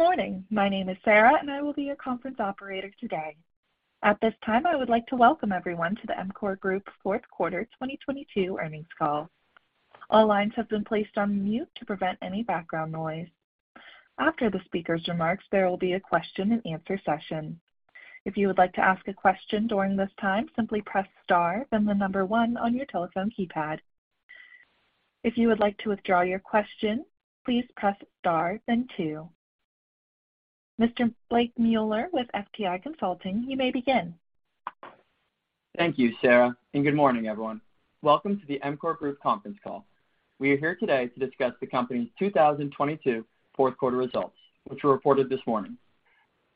Good morning. My name is Sarah, and I will be your conference operator today. At this time, I would like to welcome everyone to the EMCOR Group fourth quarter 2022 earnings call. All lines have been placed on mute to prevent any background noise. After the speaker's remarks, there will be a question-and-answer session. If you would like to ask a question during this time, simply press star, then number one on your telephone keypad. If you would like to withdraw your question, please press star, then two. Mr. Blake Mueller with FTI Consulting, you may begin. Thank you, Sarah, and good morning, everyone. Welcome to the EMCOR Group conference call. We are here today to discuss the company's 2022 fourth quarter results, which were reported this morning.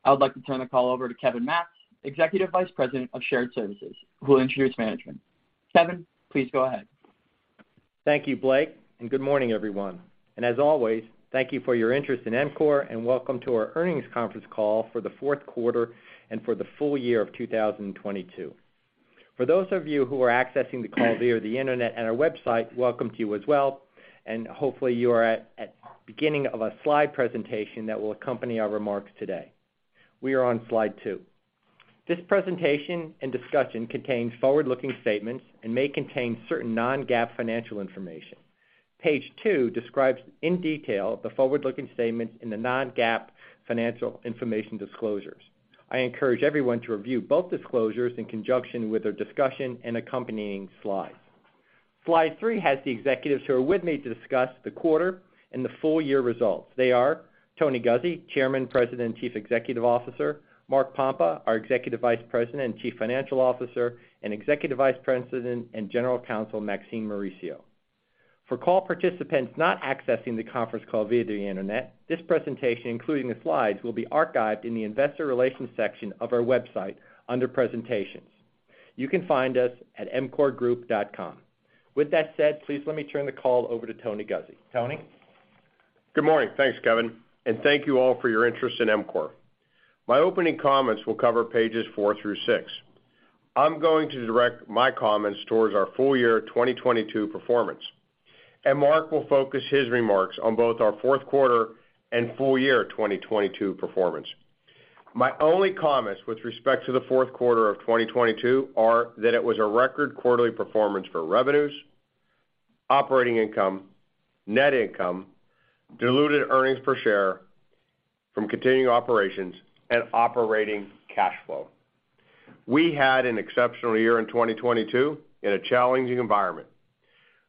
I would like to turn the call over to Kevin Matz, Executive Vice President of Shared Services, who will introduce management. Kevin, please go ahead. Thank you, Blake. Good morning, everyone. As always, thank you for your interest in EMCOR, and welcome to our earnings conference call for the fourth quarter and for the full year of 2022. For those of you who are accessing the call via the Internet at our website, welcome to you as well, and hopefully you are at beginning of a slide presentation that will accompany our remarks today. We are on slide two. This presentation and discussion contains forward-looking statements and may contain certain non-GAAP financial information. Page two describes in detail the forward-looking statements and the non-GAAP financial information disclosures. I encourage everyone to review both disclosures in conjunction with their discussion and accompanying slides. Slide three has the executives who are with me to discuss the quarter and the full year results. They are Tony Guzzi, Chairman, President, and Chief Executive Officer, Mark Pompa, our Executive Vice President and Chief Financial Officer, and Executive Vice President and General Counsel, Maxine Lum Mauricio. For call participants not accessing the conference call via the Internet, this presentation, including the slides, will be archived in the investor relations section of our website under presentations. You can find us at emcorgroup.com. With that said, please let me turn the call over to Tony Guzzi. Tony? Good morning. Thanks, Kevin, and thank you all for your interest in EMCOR. My opening comments will cover pages four through six. I'm going to direct my comments towards our full year 2022 performance, and Mark will focus his remarks on both our fourth quarter and full year 2022 performance. My only comments with respect to the fourth quarter of 2022 are that it was a record quarterly performance for revenues, operating income, net income, diluted earnings per share from continuing operations and operating cash flow. We had an exceptional year in 2022 in a challenging environment.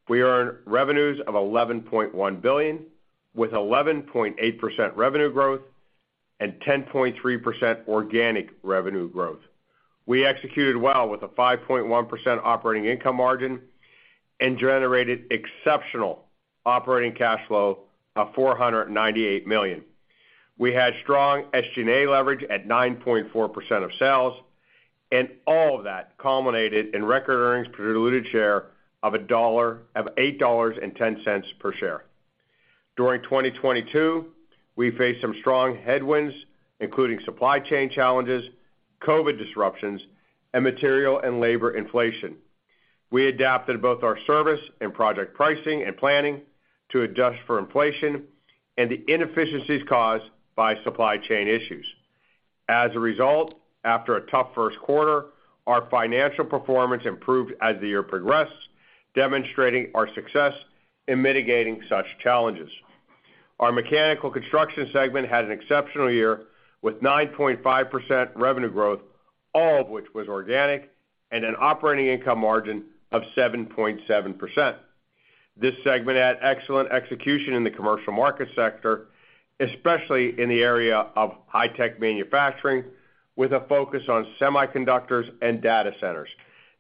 We earned revenues of $11.1 billion, with 11.8% revenue growth and 10.3% organic revenue growth. We executed well with a 5.1% operating income margin and generated exceptional operating cash flow of $498 million. We had strong SG&A leverage at 9.4% of sales. All of that culminated in record earnings per diluted share of $8.10 per share. During 2022, we faced some strong headwinds, including supply chain challenges, COVID disruptions, and material and labor inflation. We adapted both our service and project pricing and planning to adjust for inflation and the inefficiencies caused by supply chain issues. As a result, after a tough first quarter, our financial performance improved as the year progressed, demonstrating our success in mitigating such challenges. Our mechanical construction segment had an exceptional year with 9.5% revenue growth, all of which was organic, and an operating income margin of 7.7%. This segment had excellent execution in the commercial market sector, especially in the area of high-tech manufacturing, with a focus on semiconductors and data centers.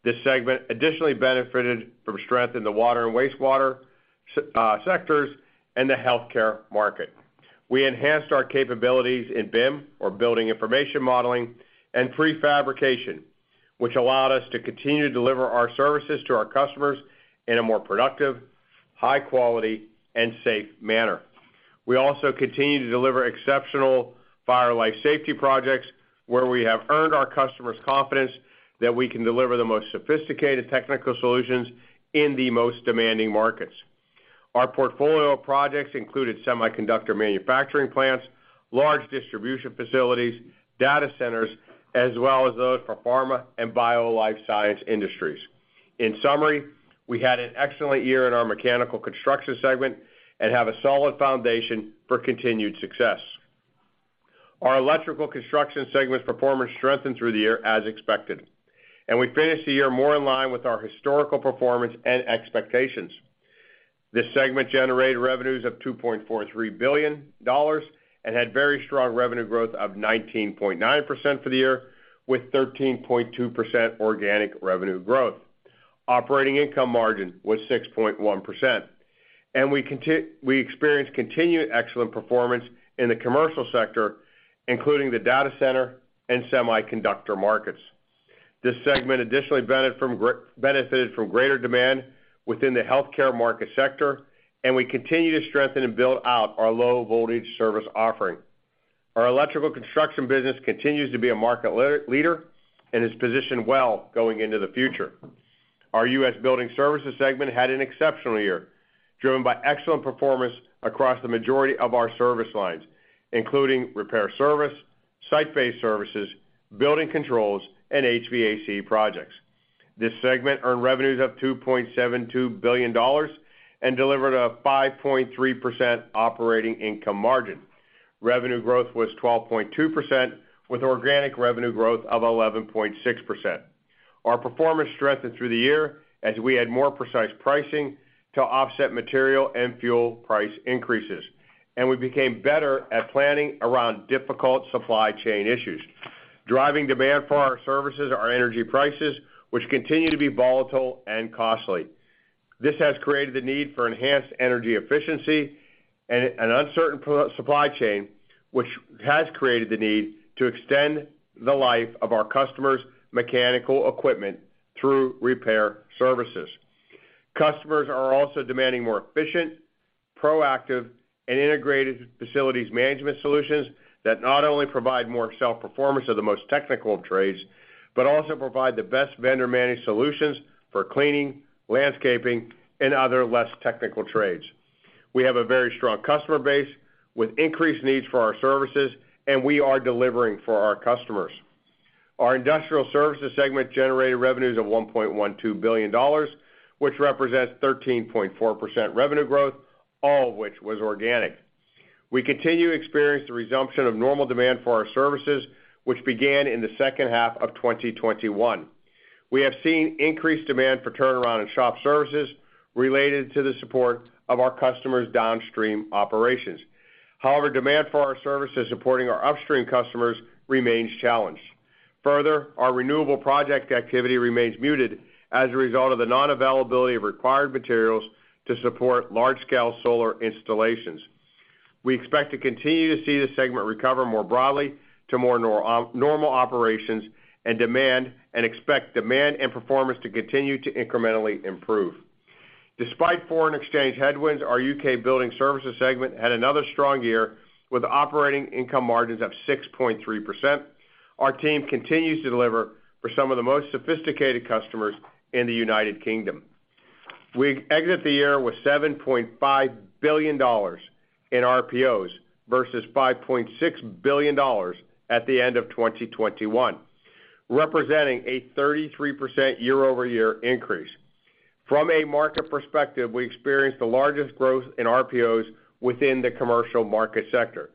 This segment additionally benefited from strength in the water and wastewater sectors and the healthcare market. We enhanced our capabilities in BIM, or Building Information Modeling, and prefabrication, which allowed us to continue to deliver our services to our customers in a more productive, high quality and safe manner. We also continue to deliver exceptional fire life safety projects where we have earned our customers' confidence that we can deliver the most sophisticated technical solutions in the most demanding markets. Our portfolio of projects included semiconductor manufacturing plants, large distribution facilities, data centers, as well as those for pharma and bio life science industries. In summary, we had an excellent year in our mechanical construction segment and have a solid foundation for continued success. Our electrical construction segment's performance strengthened through the year as expected, and we finished the year more in line with our historical performance and expectations. This segment generated revenues of $2.43 billion and had very strong revenue growth of 19.9% for the year, with 13.2% organic revenue growth. Operating income margin was 6.1%. We experienced continued excellent performance in the commercial sector, including the data center and semiconductor markets. This segment additionally benefited from greater demand within the healthcare market sector, and we continue to strengthen and build out our low voltage service offering. Our electrical construction business continues to be a market leader and is positioned well going into the future. Our U.S. Building Services segment had an exceptional year, driven by excellent performance across the majority of our service lines, including repair service, site-based services, building controls, and HVAC projects. This segment earned revenues of $2.72 billion and delivered a 5.3% operating income margin. Revenue growth was 12.2% with organic revenue growth of 11.6%. Our performance strengthened through the year as we had more precise pricing to offset material and fuel price increases. We became better at planning around difficult supply chain issues. Driving demand for our services are energy prices, which continue to be volatile and costly. This has created the need for enhanced energy efficiency and an uncertain supply chain, which has created the need to extend the life of our customers' mechanical equipment through repair services. Customers are also demanding more efficient, proactive, and integrated facilities management solutions that not only provide more self-performance of the most technical trades, but also provide the best vendor-managed solutions for cleaning, landscaping, and other less technical trades. We have a very strong customer base with increased needs for our services, and we are delivering for our customers. Our Industrial Services segment generated revenues of $1.12 billion, which represents 13.4% revenue growth, all of which was organic. We continue to experience the resumption of normal demand for our services, which began in the second half of 2021. We have seen increased demand for turnaround and shop services related to the support of our customers' downstream operations. Demand for our services supporting our upstream customers remains challenged. Our renewable project activity remains muted as a result of the non-availability of required materials to support large-scale solar installations. We expect to continue to see this segment recover more broadly to more normal operations and demand, and expect demand and performance to continue to incrementally improve. Despite foreign exchange headwinds, our U.K. Building Services segment had another strong year with operating income margins of 6.3%. Our team continues to deliver for some of the most sophisticated customers in the United Kingdom. We exit the year with $7.5 billion in RPOs versus $5.6 billion at the end of 2021, representing a 33% year-over-year increase. From a market perspective, we experienced the largest growth in RPOs within the commercial market sector.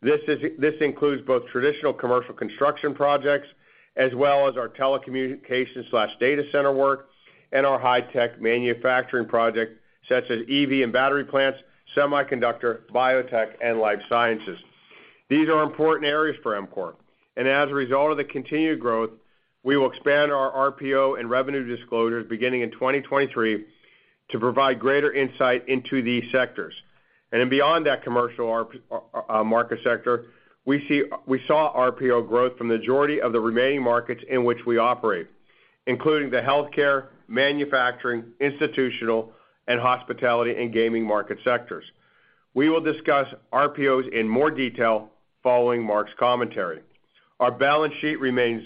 This includes both traditional commercial construction projects as well as our telecommunications/data center work and our high-tech manufacturing project, such as EV and battery plants, semiconductor, biotech, and life sciences. These are important areas for EMCOR, and as a result of the continued growth, we will expand our RPO and revenue disclosures beginning in 2023 to provide greater insight into these sectors. Beyond that commercial market sector, we saw RPO growth from the majority of the remaining markets in which we operate, including the healthcare, manufacturing, institutional, and hospitality and gaming market sectors. We will discuss RPOs in more detail following Mark's commentary. Our balance sheet remains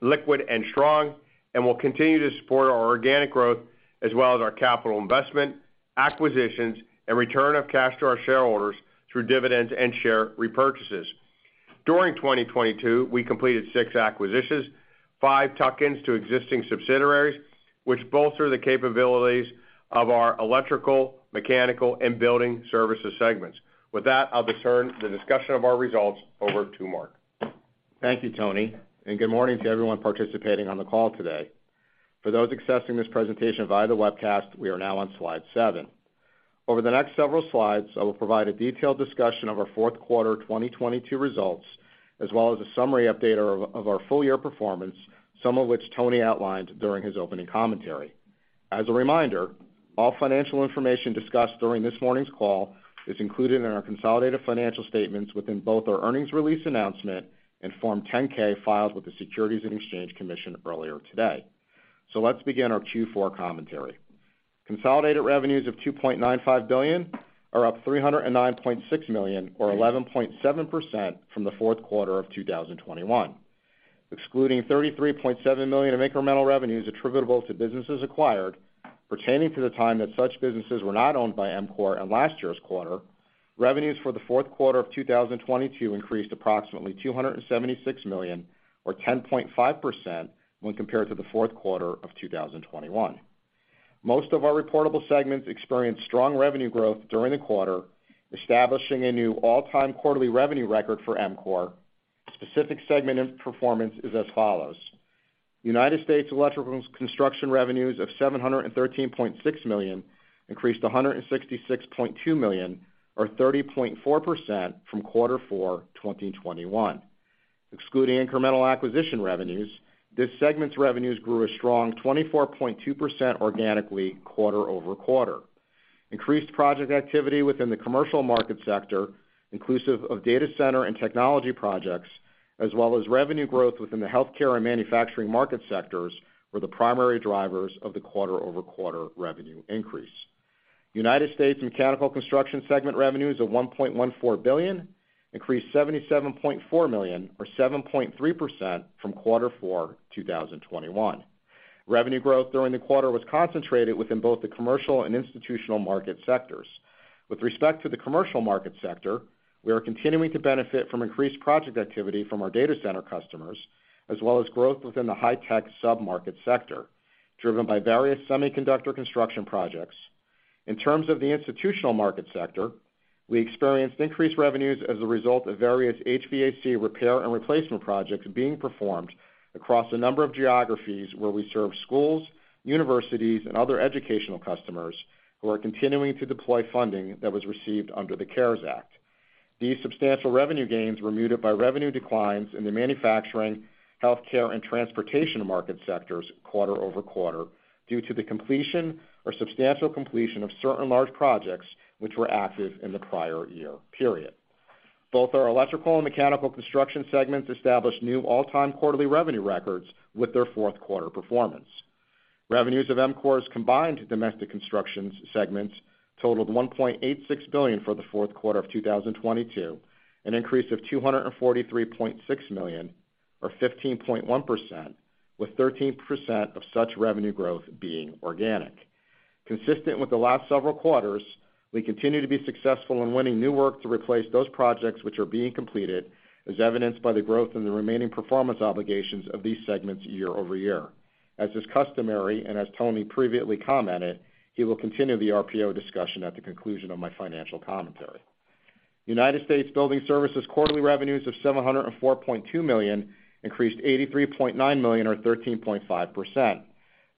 liquid and strong and will continue to support our organic growth as well as our capital investment, acquisitions, and return of cash to our shareholders through dividends and share repurchases. During 2022, we completed six acquisitions, five tuck-ins to existing subsidiaries, which bolster the capabilities of our electrical, mechanical, and building services segments. With that, I'll turn the discussion of our results over to Mark. Thank you, Tony. Good morning to everyone participating on the call today. For those accessing this presentation via the webcast, we are now on slide 7. Over the next several slides, I will provide a detailed discussion of our fourth quarter 2022 results, as well as a summary update of our full year performance, some of which Tony outlined during his opening commentary. As a reminder, all financial information discussed during this morning's call is included in our consolidated financial statements within both our earnings release announcement and Form 10-K filed with the Securities and Exchange Commission earlier today. Let's begin our Q4 commentary. Consolidated revenues of $2.95 billion are up $309.6 million or 11.7% from the fourth quarter of 2021. Excluding $33.7 million of incremental revenues attributable to businesses acquired pertaining to the time that such businesses were not owned by EMCOR in last year's quarter, revenues for the fourth quarter of 2022 increased approximately $276 million or 10.5% when compared to the fourth quarter of 2021. Most of our reportable segments experienced strong revenue growth during the quarter, establishing a new all-time quarterly revenue record for EMCOR. Specific segment and performance is as follows: United States Electrical Construction revenues of $713.6 million increased to $166.2 million or 30.4% from Q4 2021. Excluding incremental acquisition revenues, this segment's revenues grew a strong 24.2% organically quarter-over-quarter. Increased project activity within the commercial market sector, inclusive of data center and technology projects, as well as revenue growth within the healthcare and manufacturing market sectors were the primary drivers of the quarter-over-quarter revenue increase. United States Mechanical Construction segment revenues of $1.14 billion increased $77.4 million or 7.3% from Q4 2021. Revenue growth during the quarter was concentrated within both the commercial and institutional market sectors. With respect to the commercial market sector, we are continuing to benefit from increased project activity from our data center customers, as well as growth within the high-tech sub-market sector, driven by various semiconductor construction projects. In terms of the institutional market sector, we experienced increased revenues as a result of various HVAC repair and replacement projects being performed across a number of geographies where we serve schools, universities, and other educational customers who are continuing to deploy funding that was received under the CARES Act. These substantial revenue gains were muted by revenue declines in the manufacturing, healthcare, and transportation market sectors quarter-over-quarter due to the completion or substantial completion of certain large projects which were active in the prior year period. Both our electrical and mechanical construction segments established new all-time quarterly revenue records with their fourth quarter performance. Revenues of EMCOR's combined domestic constructions segments totaled $1.86 billion for the fourth quarter of 2022, an increase of $243.6 million or 15.1%, with 13% of such revenue growth being organic. Consistent with the last several quarters, we continue to be successful in winning new work to replace those projects which are being completed, as evidenced by the growth in the remaining performance obligations of these segments year-over-year. As is customary, as Tony previously commented, he will continue the RPO discussion at the conclusion of my financial commentary. United States Building Services quarterly revenues of $704.2 million increased $83.9 million or 13.5%.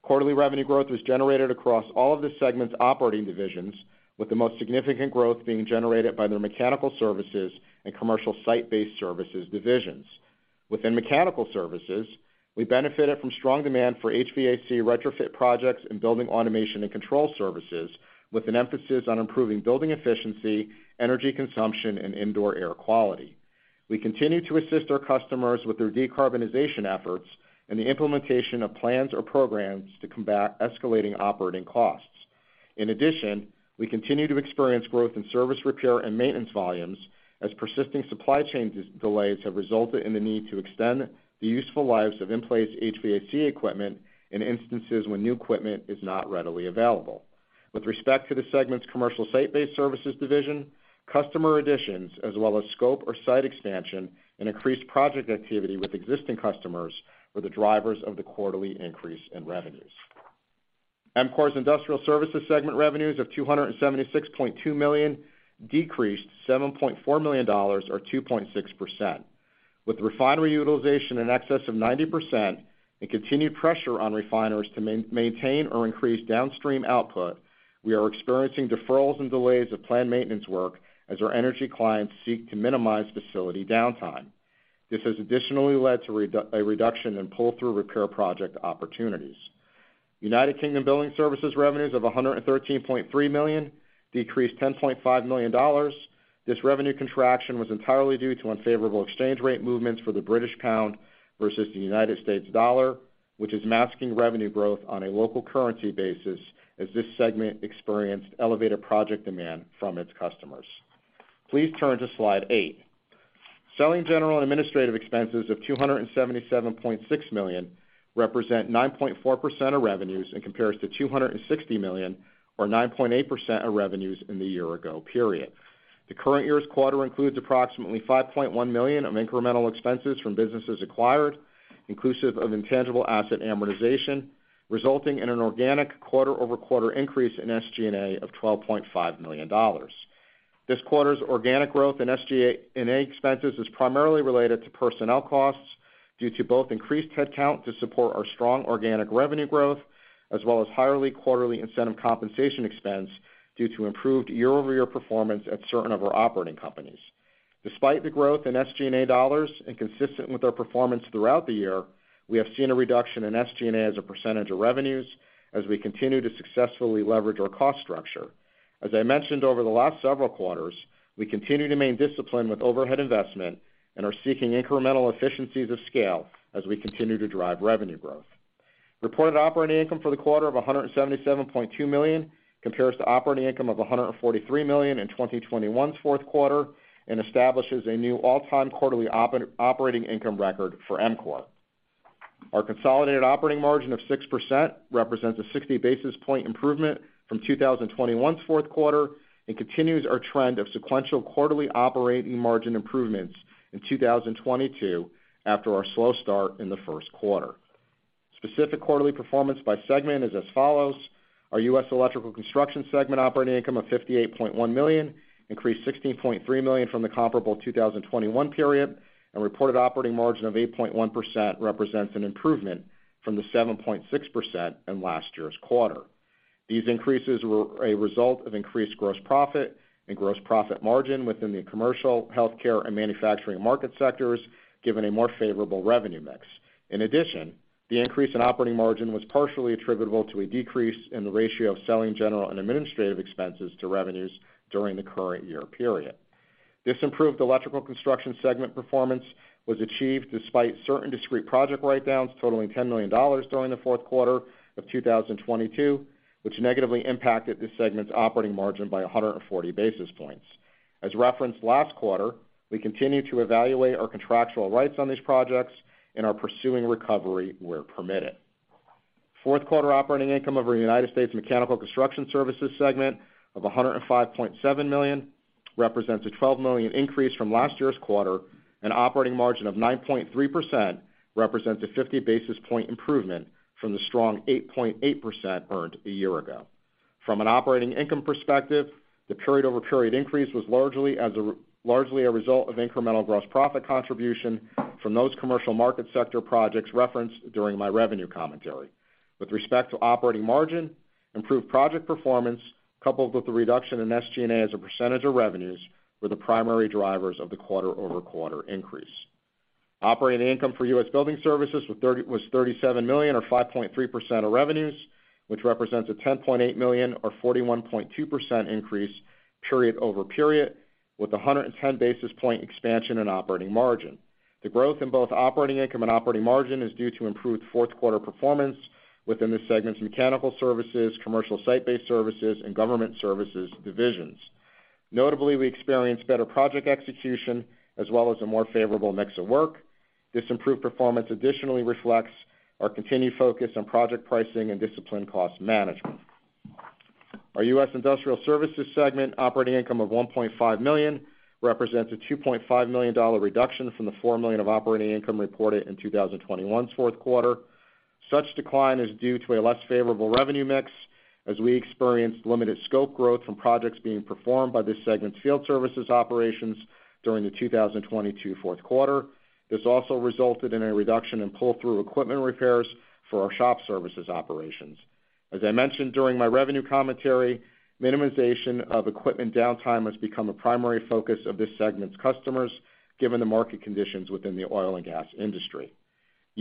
Quarterly revenue growth was generated across all of the segment's operating divisions, with the most significant growth being generated by their mechanical services and commercial site-based services divisions. Within mechanical services, we benefited from strong demand for HVAC retrofit projects and building automation and control services, with an emphasis on improving building efficiency, energy consumption, and indoor air quality. We continue to assist our customers with their decarbonization efforts and the implementation of plans or programs to combat escalating operating costs. In addition, we continue to experience growth in service repair and maintenance volumes as persisting supply chain delays have resulted in the need to extend the useful lives of in-place HVAC equipment in instances when new equipment is not readily available. With respect to the segment's commercial site-based services division, customer additions as well as scope or site expansion and increased project activity with existing customers were the drivers of the quarterly increase in revenues. EMCOR Industrial Services segment revenues of $276.2 million decreased $7.4 million or 2.6%. With refinery utilization in excess of 90% and continued pressure on refiners to maintain or increase downstream output, we are experiencing deferrals and delays of planned maintenance work as our energy clients seek to minimize facility downtime. This has additionally led to a reduction in pull-through repair project opportunities. United Kingdom Building Services revenues of $113.3 million decreased $10.5 million. This revenue contraction was entirely due to unfavorable exchange rate movements for the British pound versus the United States dollar, which is masking revenue growth on a local currency basis as this segment experienced elevated project demand from its customers. Please turn to slide 8. Selling general and administrative expenses of $277.6 million represent 9.4% of revenues and compares to $260 million or 9.8% of revenues in the year-ago period. The current year's quarter includes approximately $5.1 million of incremental expenses from businesses acquired, inclusive of intangible asset amortization, resulting in an organic quarter-over-quarter increase in SG&A of $12.5 million. This quarter's organic growth in SG&A expenses is primarily related to personnel costs due to both increased headcount to support our strong organic revenue growth, as well as higher quarterly incentive compensation expense due to improved year-over-year performance at certain of our operating companies. Despite the growth in SG&A dollars, consistent with our performance throughout the year, we have seen a reduction in SG&A as a percentage of revenues as we continue to successfully leverage our cost structure. As I mentioned over the last several quarters, we continue to remain disciplined with overhead investment and are seeking incremental efficiencies of scale as we continue to drive revenue growth. Reported operating income for the quarter of $177.2 million compares to operating income of $143 million in 2021's fourth quarter and establishes a new all-time quarterly operating income record for EMCOR. Our consolidated operating margin of 6% represents a 60 basis point improvement from 2021's fourth quarter and continues our trend of sequential quarterly operating margin improvements in 2022 after our slow start in the first quarter. Specific quarterly performance by segment is as follows: Our U.S. Electrical Construction segment operating income of $58.1 million increased $16.3 million from the comparable 2021 period, and reported operating margin of 8.1% represents an improvement from the 7.6% in last year's quarter. These increases were a result of increased gross profit and gross profit margin within the commercial, healthcare, and manufacturing market sectors, given a more favorable revenue mix. In addition, the increase in operating margin was partially attributable to a decrease in the ratio of selling, general, and administrative expenses to revenues during the current year period. This improved Electrical Construction segment performance was achieved despite certain discrete project write-downs totaling $10 million during the fourth quarter of 2022, which negatively impacted this segment's operating margin by 140 basis points. As referenced last quarter, we continue to evaluate our contractual rights on these projects and are pursuing recovery where permitted. Fourth quarter operating income over United States Mechanical Construction Services segment of $105.7 million represents a $12 million increase from last year's quarter, and operating margin of 9.3% represents a 50 basis point improvement from the strong 8.8% earned a year ago. From an operating income perspective, the period-over-period increase was largely a result of incremental gross profit contribution from those commercial market sector projects referenced during my revenue commentary. With respect to operating margin, improved project performance coupled with the reduction in SG&A as a percentage of revenues were the primary drivers of the quarter-over-quarter increase. Operating income for U.S. Building Services was $37 million or 5.3% of revenues, which represents a $10.8 million or 41.2% increase period over period, with a 110 basis point expansion in operating margin. The growth in both operating income and operating margin is due to improved fourth quarter performance within the segment's mechanical services, commercial site-based services, and government services divisions. Notably, we experienced better project execution as well as a more favorable mix of work. This improved performance additionally reflects our continued focus on project pricing and disciplined cost management. Our U.S. Industrial Services segment operating income of $1.5 million represents a $2.5 million reduction from the $4 million of operating income reported in 2021's fourth quarter. Such decline is due to a less favorable revenue mix as we experienced limited scope growth from projects being performed by this segment's field services operations during the 2022 fourth quarter. This also resulted in a reduction in pull-through equipment repairs for our shop services operations. As I mentioned during my revenue commentary, minimization of equipment downtime has become a primary focus of this segment's customers, given the market conditions within the oil and gas industry.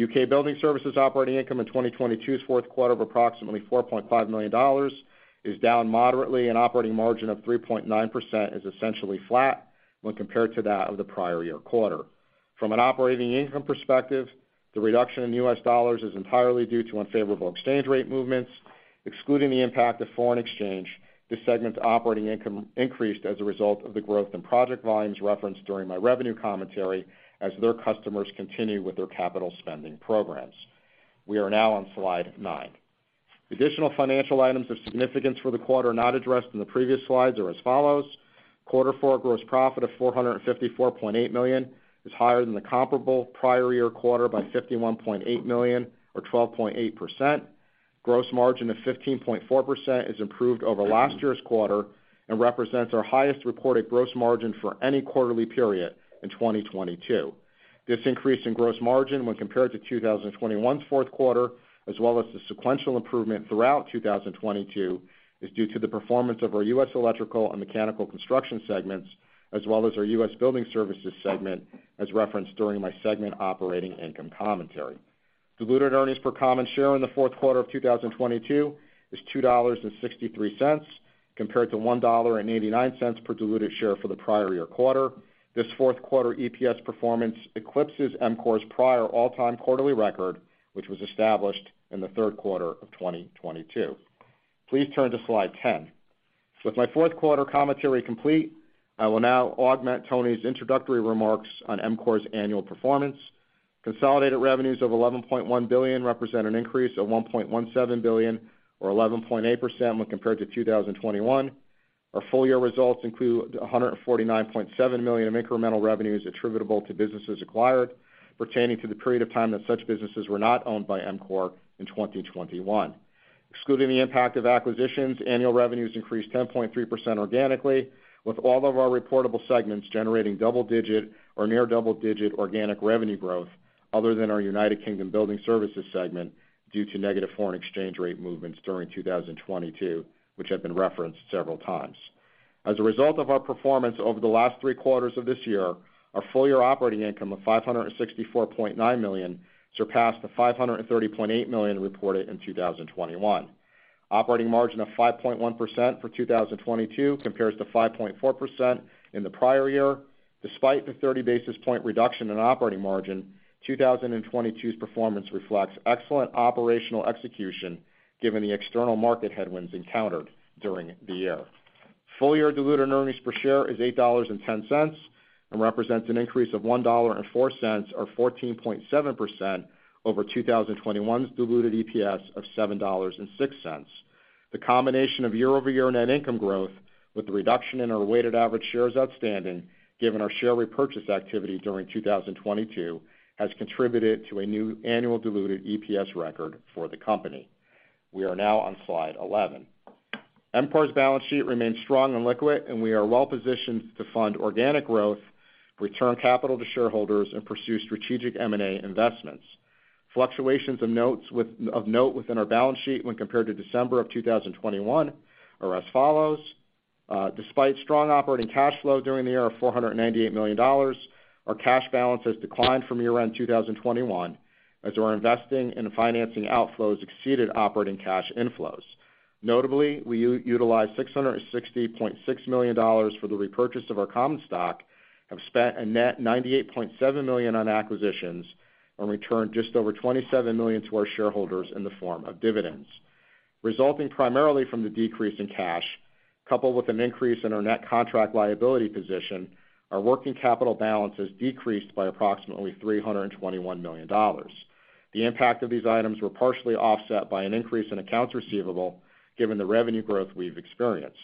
UK Building Services operating income in 2022's fourth quarter of approximately $4.5 million is down moderately, and operating margin of 3.9% is essentially flat when compared to that of the prior year quarter. From an operating income perspective, the reduction in U.S. dollars is entirely due to unfavorable exchange rate movements. Excluding the impact of foreign exchange, this segment's operating income increased as a result of the growth in project volumes referenced during my revenue commentary as their customers continue with their capital spending programs. We are now on slide 9. Additional financial items of significance for the quarter not addressed in the previous slides are as follows: quarter four gross profit of $454.8 million is higher than the comparable prior year quarter by $51.8 million or 12.8%. Gross margin of 15.4% is improved over last year's quarter and represents our highest reported gross margin for any quarterly period in 2022. This increase in gross margin when compared to 2021's fourth quarter, as well as the sequential improvement throughout 2022, is due to the performance of our U.S. Electrical and Mechanical Construction segments as well as our U.S. Building Services segment, as referenced during my segment operating income commentary. Diluted earnings per common share in the fourth quarter of 2022 is $2.63, compared to $1.89 per diluted share for the prior year quarter. This fourth quarter EPS performance eclipses EMCOR's prior all-time quarterly record, which was established in the third quarter of 2022. Please turn to slide 10. With my fourth quarter commentary complete, I will now augment Tony's introductory remarks on EMCOR's annual performance. Consolidated revenues of $11.1 billion represent an increase of $1.17 billion or 11.8% when compared to 2021. Our full year results include $149.7 million of incremental revenues attributable to businesses acquired pertaining to the period of time that such businesses were not owned by EMCOR in 2021. Excluding the impact of acquisitions, annual revenues increased 10.3% organically, with all of our reportable segments generating double digit or near double-digit organic revenue growth other than our United Kingdom Building Services segment due to negative foreign exchange rate movements during 2022, which have been referenced several times. As a result of our performance over the last three quarters of this year, our full year operating income of $564.9 million surpassed the $530.8 million reported in 2021. Operating margin of 5.1% for 2022 compares to 5.4% in the prior year. Despite the 30 basis point reduction in operating margin, 2022's performance reflects excellent operational execution given the external market headwinds encountered during the year. Full year diluted earnings per share is $8.10 and represents an increase of $1.04 or 14.7% over 2021's diluted EPS of $7.06. The combination of year-over-year net income growth with the reduction in our weighted average shares outstanding given our share repurchase activity during 2022 has contributed to a new annual diluted EPS record for the company. We are now on slide 11. EMCOR's balance sheet remains strong and liquid, and we are well positioned to fund organic growth, return capital to shareholders, and pursue strategic M&A investments. Fluctuations of notes of note within our balance sheet when compared to December of 2021 are as follows. Despite strong operating cash flow during the year of $498 million, our cash balance has declined from year-end 2021, as our investing and financing outflows exceeded operating cash inflows. Notably, we utilized $660.6 million for the repurchase of our common stock, have spent a net $98.7 million on acquisitions, and returned just over $27 million to our shareholders in the form of dividends. Resulting primarily from the decrease in cash, coupled with an increase in our net contract liability position, our working capital balance has decreased by approximately $321 million. The impact of these items were partially offset by an increase in accounts receivable, given the revenue growth we've experienced.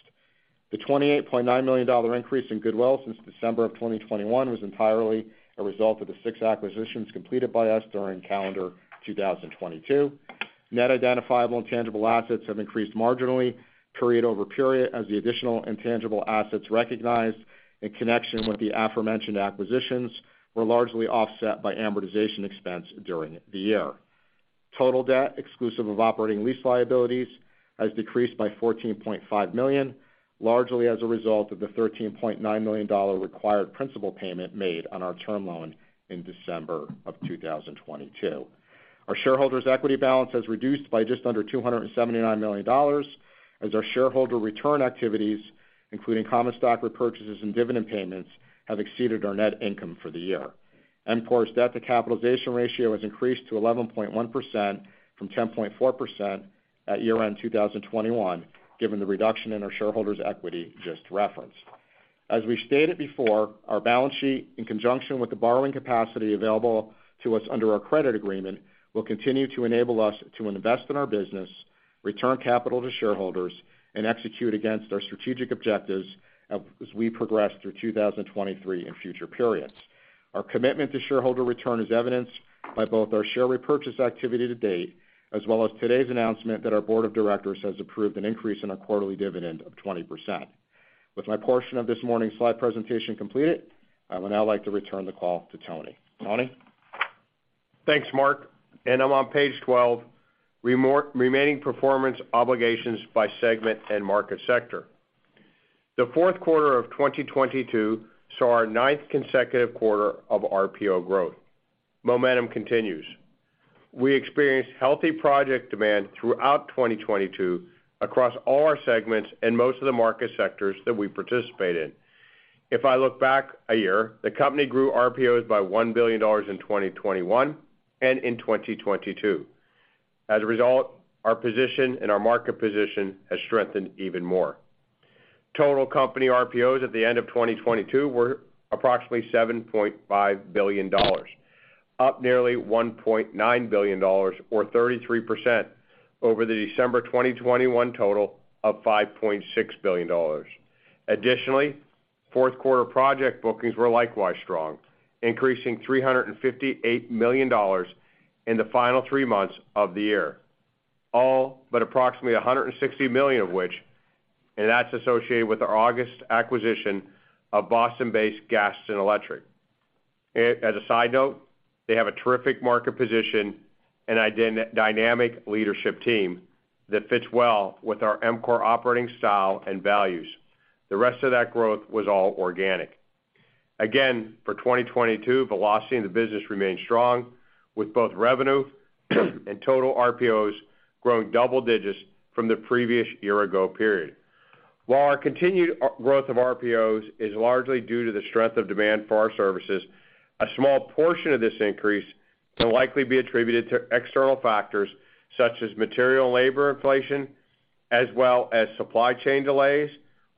The $28.9 million increase in goodwill since December of 2021 was entirely a result of the six acquisitions completed by us during calendar 2022. Net identifiable intangible assets have increased marginally period-over-period, as the additional intangible assets recognized in connection with the aforementioned acquisitions were largely offset by amortization expense during the year. Total debt, exclusive of operating lease liabilities, has decreased by $14.5 million, largely as a result of the $13.9 million required principal payment made on our term loan in December of 2022. Our shareholders' equity balance has reduced by just under $279 million, as our shareholder return activities, including common stock repurchases and dividend payments, have exceeded our net income for the year. EMCOR's debt to capitalization ratio has increased to 11.1% from 10.4% at year-end 2021, given the reduction in our shareholders' equity just referenced. As we stated before, our balance sheet, in conjunction with the borrowing capacity available to us under our credit agreement, will continue to enable us to invest in our business, return capital to shareholders, and execute against our strategic objectives of as we progress through 2023 and future periods. Our commitment to shareholder return is evidenced by both our share repurchase activity to date, as well as today's announcement that our board of directors has approved an increase in our quarterly dividend of 20%. With my portion of this morning's slide presentation completed, I would now like to return the call to Tony. Tony? Thanks, Mark. I'm on page 12, remaining performance obligations by segment and market sector. The fourth quarter of 2022 saw our 9th consecutive quarter of RPO growth. Momentum continues. We experienced healthy project demand throughout 2022 across all our segments and most of the market sectors that we participate in. If I look back a year, the company grew RPOs by $1 billion in 2021 and in 2022. As a result, our position and our market position has strengthened even more. Total company RPOs at the end of 2022 were approximately $7.5 billion, up nearly $1.9 billion or 33% over the December 2021 total of $5.6 billion. Additionally, fourth quarter project bookings were likewise strong, increasing $358 million in the final three months of the year, all but approximately $160 million of which, and that's associated with our August acquisition of Boston-based Gaston Electrical. As a side note, they have a terrific market position and dynamic leadership team that fits well with our EMCOR operating style and values. The rest of that growth was all organic. Again, for 2022, velocity in the business remained strong, with both revenue and total RPOs growing double digits from the previous year-ago period. While our continued growth of RPOs is largely due to the strength of demand for our services, a small portion of this increase can likely be attributed to external factors such as material labor inflation as well as supply chain delays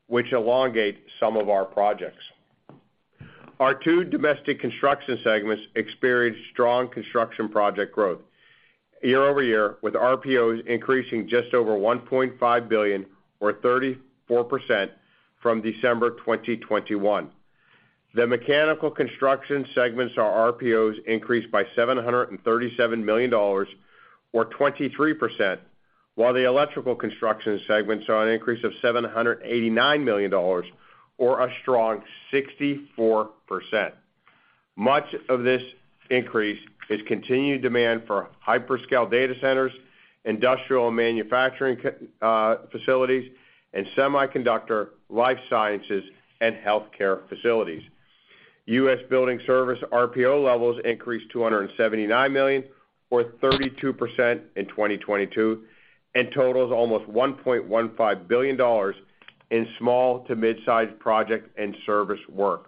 which elongate some of our projects. Our two domestic construction segments experienced strong construction project growth year-over-year, with RPOs increasing just over $1.5 billion or 34% from December 2021. The mechanical construction segments of our RPOs increased by $737 million or 23%, while the electrical construction segments saw an increase of $789 million or a strong 64%. Much of this increase is continued demand for hyperscale data centers, industrial manufacturing facilities, and semiconductor, life sciences, and healthcare facilities. U.S. building service RPO levels increased to $179 million or 32% in 2022 and totals almost $1.15 billion in small to mid-size project and service work.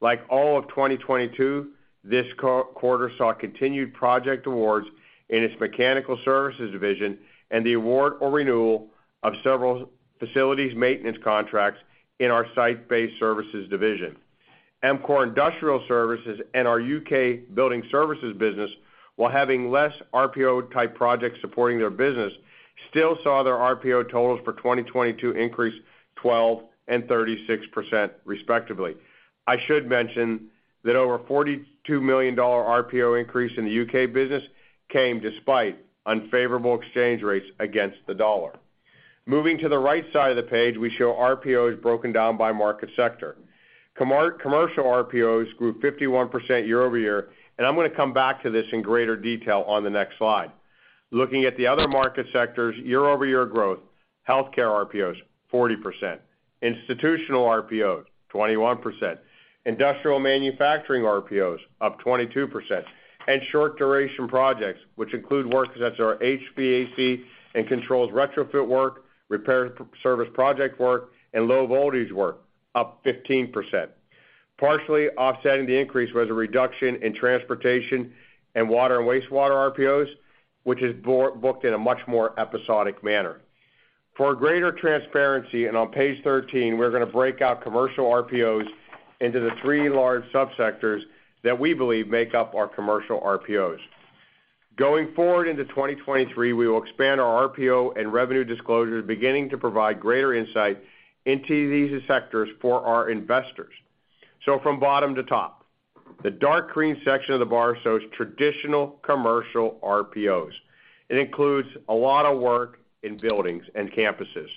Like all of 2022, this co-quarter saw continued project awards in its mechanical services division and the award or renewal of several facilities maintenance contracts in our site-based services division. EMCOR Industrial Services and our U.K. Building Services business, while having less RPO-type projects supporting their business, still saw their RPO totals for 2022 increase 12 and 36% respectively. I should mention that over $42 million RPO increase in the U.K. business came despite unfavorable exchange rates against the U.S. dollar. Moving to the right side of the page, we show RPOs broken down by market sector. Commercial RPOs grew 51% year-over-year. I'm gonna come back to this in greater detail on the next slide. Looking at the other market sectors' year-over-year growth: Healthcare RPOs, 40%. Institutional RPOs, 21%. Industrial manufacturing RPOs, up 22%. Short duration projects, which include work that's our HVAC and controls retrofit work, repair service project work, and low voltage work, up 15%. Partially offsetting the increase was a reduction in transportation and water and wastewater RPOs, which is booked in a much more episodic manner. For greater transparency, and on page 13, we're going to break out commercial RPOs into the three large sub-sectors that we believe make up our commercial RPOs. Going forward into 2023, we will expand our RPO and revenue disclosures, beginning to provide greater insight into these sectors for our investors. From bottom to top, the dark green section of the bar shows traditional commercial RPOs. It includes a lot of work in buildings and campuses,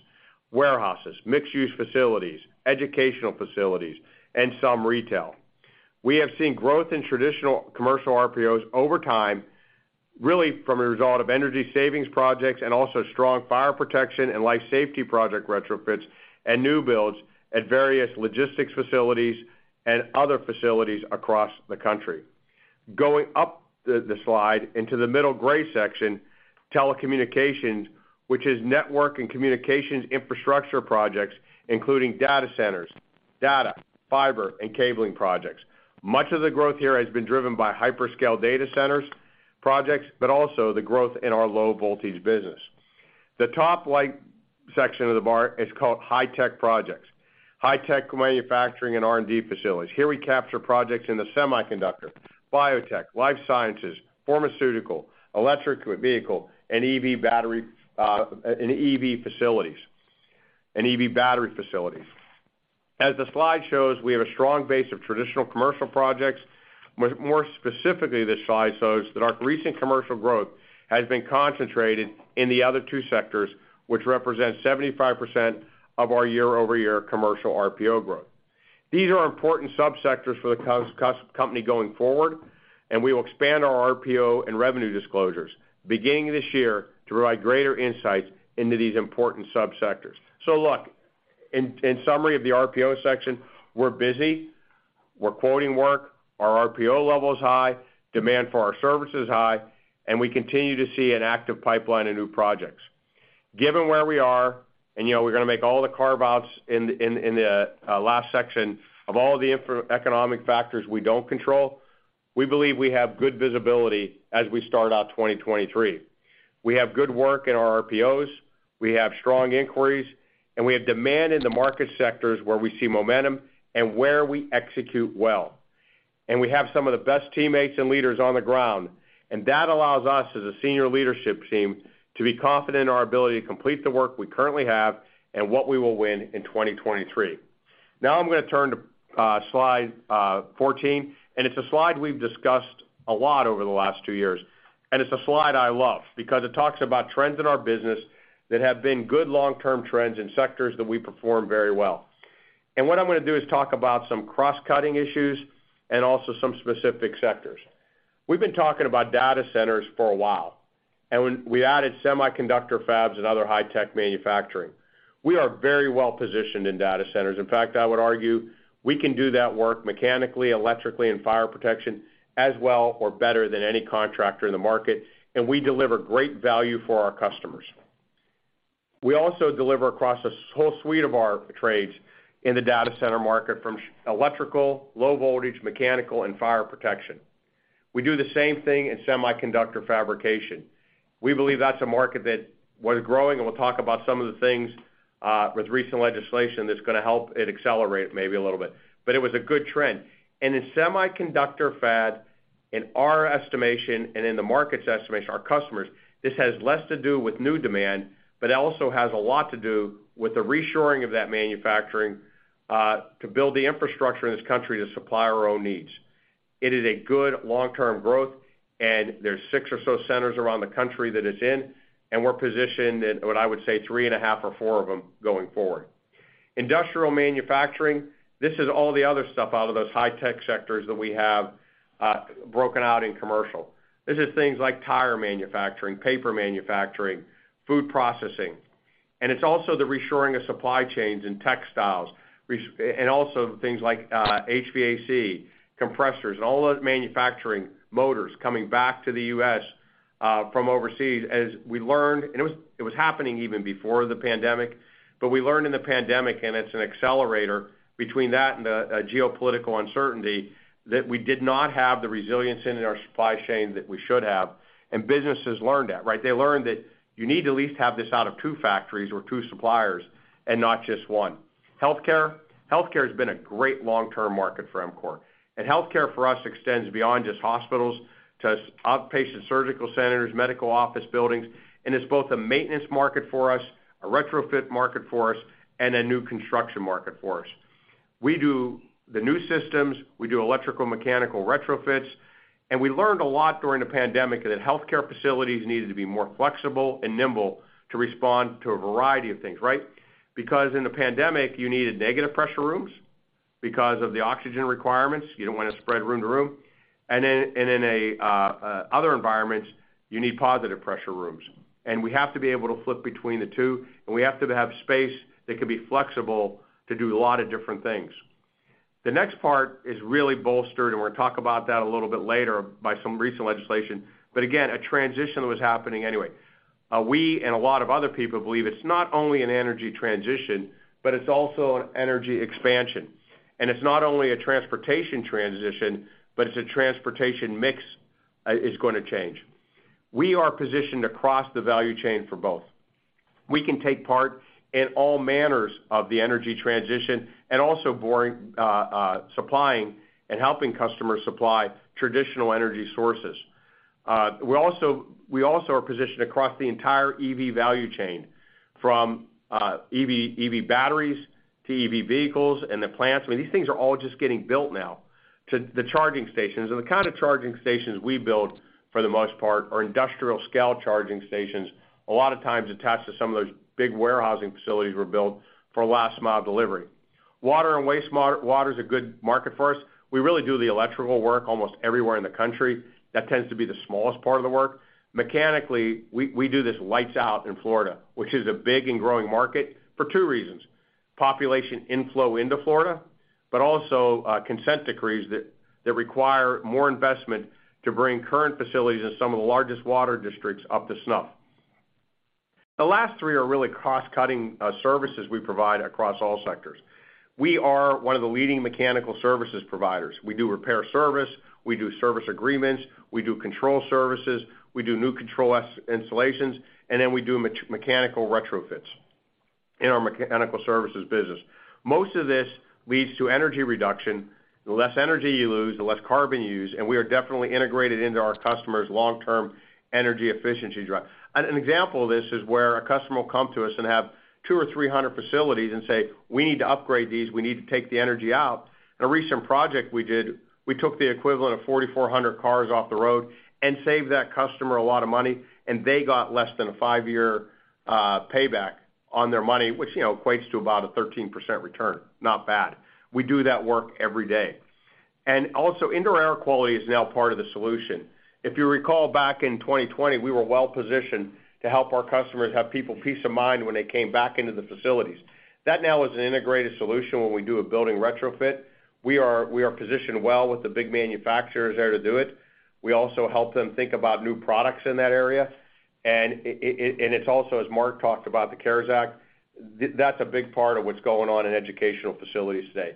warehouses, mixed-use facilities, educational facilities, and some retail. We have seen growth in traditional commercial RPOs over time, really from a result of energy savings projects and also strong fire protection and life safety project retrofits and new builds at various logistics facilities and other facilities across the country. Going up the slide into the middle gray section, telecommunications, which is network and communications infrastructure projects, including data centers, data, fiber, and cabling projects. Much of the growth here has been driven by hyperscale data centers projects, also the growth in our low voltage business. The top light section of the bar is called high-tech projects. High-tech manufacturing and R&D facilities. Here we capture projects in the semiconductor, biotech, life sciences, pharmaceutical, electric vehicle, and EV battery facilities. As the slide shows, we have a strong base of traditional commercial projects. More specifically, this slide shows that our recent commercial growth has been concentrated in the other two sectors, which represent 75% of our year-over-year commercial RPO growth. These are important sub-sectors for the company going forward, and we will expand our RPO and revenue disclosures beginning this year to provide greater insights into these important sub-sectors. Look, in summary of the RPO section, we're busy, we're quoting work, our RPO level is high, demand for our service is high, and we continue to see an active pipeline of new projects. Given where we are, and you know we're gonna make all the carve-outs in the last section of all the economic factors we don't control, we believe we have good visibility as we start out 2023. We have good work in our RPOs, we have strong inquiries, we have demand in the market sectors where we see momentum and where we execute well. We have some of the best teammates and leaders on the ground, and that allows us, as a senior leadership team, to be confident in our ability to complete the work we currently have and what we will win in 2023. Now I'm gonna turn to slide 14, and it's a slide we've discussed a lot over the last two years, and it's a slide I love because it talks about trends in our business that have been good long-term trends in sectors that we perform very well. What I'm gonna do is talk about some cross-cutting issues and also some specific sectors. We've been talking about data centers for a while. When we added semiconductor fabs and other high-tech manufacturing. We are very well-positioned in data centers. In fact, I would argue we can do that work mechanically, electrically, and fire protection as well or better than any contractor in the market, and we deliver great value for our customers. We also deliver across a whole suite of our trades in the data center market, from electrical, low voltage, mechanical, and fire protection. We do the same thing in semiconductor fabrication. We believe that's a market that was growing, and we'll talk about some of the things with recent legislation that's gonna help it accelerate maybe a little bit. It was a good trend. In semiconductor fab, in our estimation and in the market's estimation, our customers, this has less to do with new demand, but also has a lot to do with the reshoring of that manufacturing, to build the infrastructure in this country to supply our own needs. It is a good long-term growth, and there's six or so centers around the country that it's in, and we're positioned in, what I would say, three and a half or four of them going forward. Industrial manufacturing, this is all the other stuff out of those high-tech sectors that we have, broken out in commercial. This is things like tire manufacturing, paper manufacturing, food processing, and it's also the reshoring of supply chains and textiles, and also things like HVAC, compressors, and all that manufacturing, motors coming back to the U.S. from overseas. As we learned, it was happening even before the pandemic, but we learned in the pandemic, and it's an accelerator between that and the geopolitical uncertainty, that we did not have the resilience in our supply chain that we should have, and businesses learned that, right. They learned that you need to at least have this out of two factories or two suppliers and not just one. Healthcare has been a great long-term market for EMCOR. Healthcare for us extends beyond just hospitals to outpatient surgical centers, medical office buildings, and it's both a maintenance market for us, a retrofit market for us, and a new construction market for us. We do the new systems, we do electrical, mechanical retrofits, and we learned a lot during the pandemic that healthcare facilities needed to be more flexible and nimble to respond to a variety of things, right? Because in the pandemic, you needed negative pressure rooms because of the oxygen requirements, you don't wanna spread room to room. In other environments, you need positive pressure rooms. We have to be able to flip between the two, and we have to have space that can be flexible to do a lot of different things. The next part is really bolstered, and we're gonna talk about that a little bit later by some recent legislation. Again, a transition was happening anyway. We and a lot of other people believe it's not only an energy transition, but it's also an energy expansion. It's not only a transportation transition, but it's a transportation mix, is gonna change. We are positioned across the value chain for both. We can take part in all manners of the energy transition and also supplying and helping customers supply traditional energy sources. We also are positioned across the entire EV value chain from EV batteries to EV vehicles and the plants, I mean, these things are all just getting built now, to the charging stations. The kind of charging stations we build, for the most part, are industrial scale charging stations, a lot of times attached to some of those big warehousing facilities were built for last mile delivery. Water and wastewater is a good market for us. We really do the electrical work almost everywhere in the country. That tends to be the smallest part of the work. Mechanically, we do this lights out in Florida, which is a big and growing market for two reasons: population inflow into Florida, but also, consent decrees that require more investment to bring current facilities in some of the largest water districts up to snuff. The last three are really cross-cutting services we provide across all sectors. We are one of the leading mechanical services providers. We do repair service, we do service agreements, we do control services, we do new control installations, and then we do mechanical retrofits in our mechanical services business. Most of this leads to energy reduction. The less energy you lose, the less carbon you use, and we are definitely integrated into our customers' long-term energy efficiency drive. An example of this is where a customer will come to us and have 200 or 300 facilities and say, "We need to upgrade these. We need to take the energy out." In a recent project we did, we took the equivalent of 4,400 cars off the road and saved that customer a lot of money, and they got less than a five-year payback on their money, which, you know, equates to about a 13% return. Not bad. We do that work every day. Also indoor air quality is now part of the solution. If you recall back in 2020, we were well-positioned to help our customers have people peace of mind when they came back into the facilities. That now is an integrated solution when we do a building retrofit. We are positioned well with the big manufacturers there to do it. We also help them think about new products in that area. And it's also, as Mark talked about, the CARES Act. That's a big part of what's going on in educational facilities today.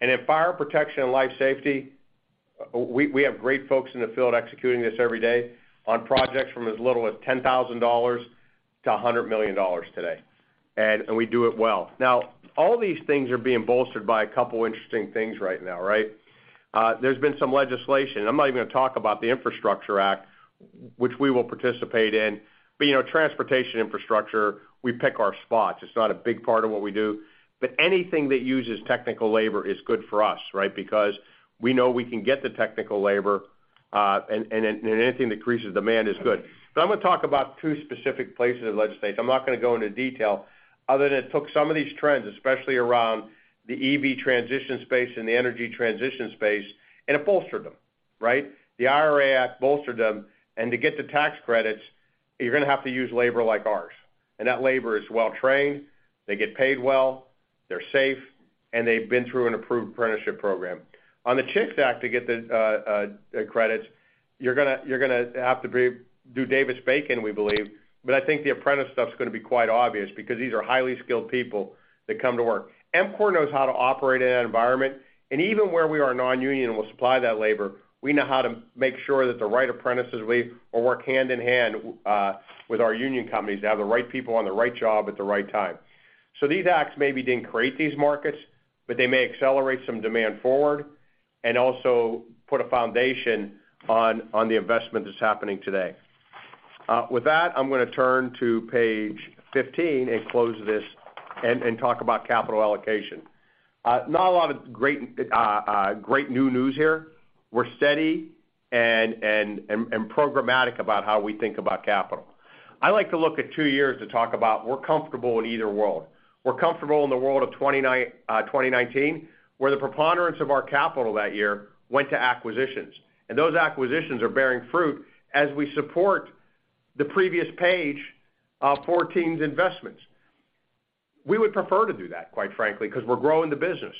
In fire protection and life safety, we have great folks in the field executing this every day on projects from as little as $10,000-$100 million today. We do it well. Now, all these things are being bolstered by a couple interesting things right now, right? There's been some legislation. I'm not even gonna talk about the Infrastructure Act, which we will participate in. You know, transportation infrastructure, we pick our spots. It's not a big part of what we do. Anything that uses technical labor is good for us, right? Because we know we can get the technical labor, and anything that increases demand is good. I'm gonna talk about two specific places in legislation. I'm not gonna go into detail other than it took some of these trends, especially around the EV transition space and the energy transition space, and it bolstered them, right? The IRA Act bolstered them. To get the tax credits, you're gonna have to use labor like ours. That labor is well trained, they get paid well, they're safe, and they've been through an approved apprenticeship program. On the CHIPS Act, to get the credits, you're gonna do Davis-Bacon, we believe. I think the apprentice stuff's gonna be quite obvious because these are highly skilled people that come to work. EMCOR knows how to operate in an environment, and even where we are non-union, we'll supply that labor. We know how to make sure that the right apprentices, we will work hand in hand with our union companies to have the right people on the right job at the right time. These acts maybe didn't create these markets, but they may accelerate some demand forward and also put a foundation on the investment that's happening today. With that, I'm gonna turn to page 15 and close this and talk about capital allocation. Not a lot of great great new news here. We're steady and programmatic about how we think about capital. I like to look at two years to talk about we're comfortable in either world. We're comfortable in the world of 2019, where the preponderance of our capital that year went to acquisitions. Those acquisitions are bearing fruit as we support the previous page of 14's investments. We would prefer to do that, quite frankly, 'cause we're growing the business.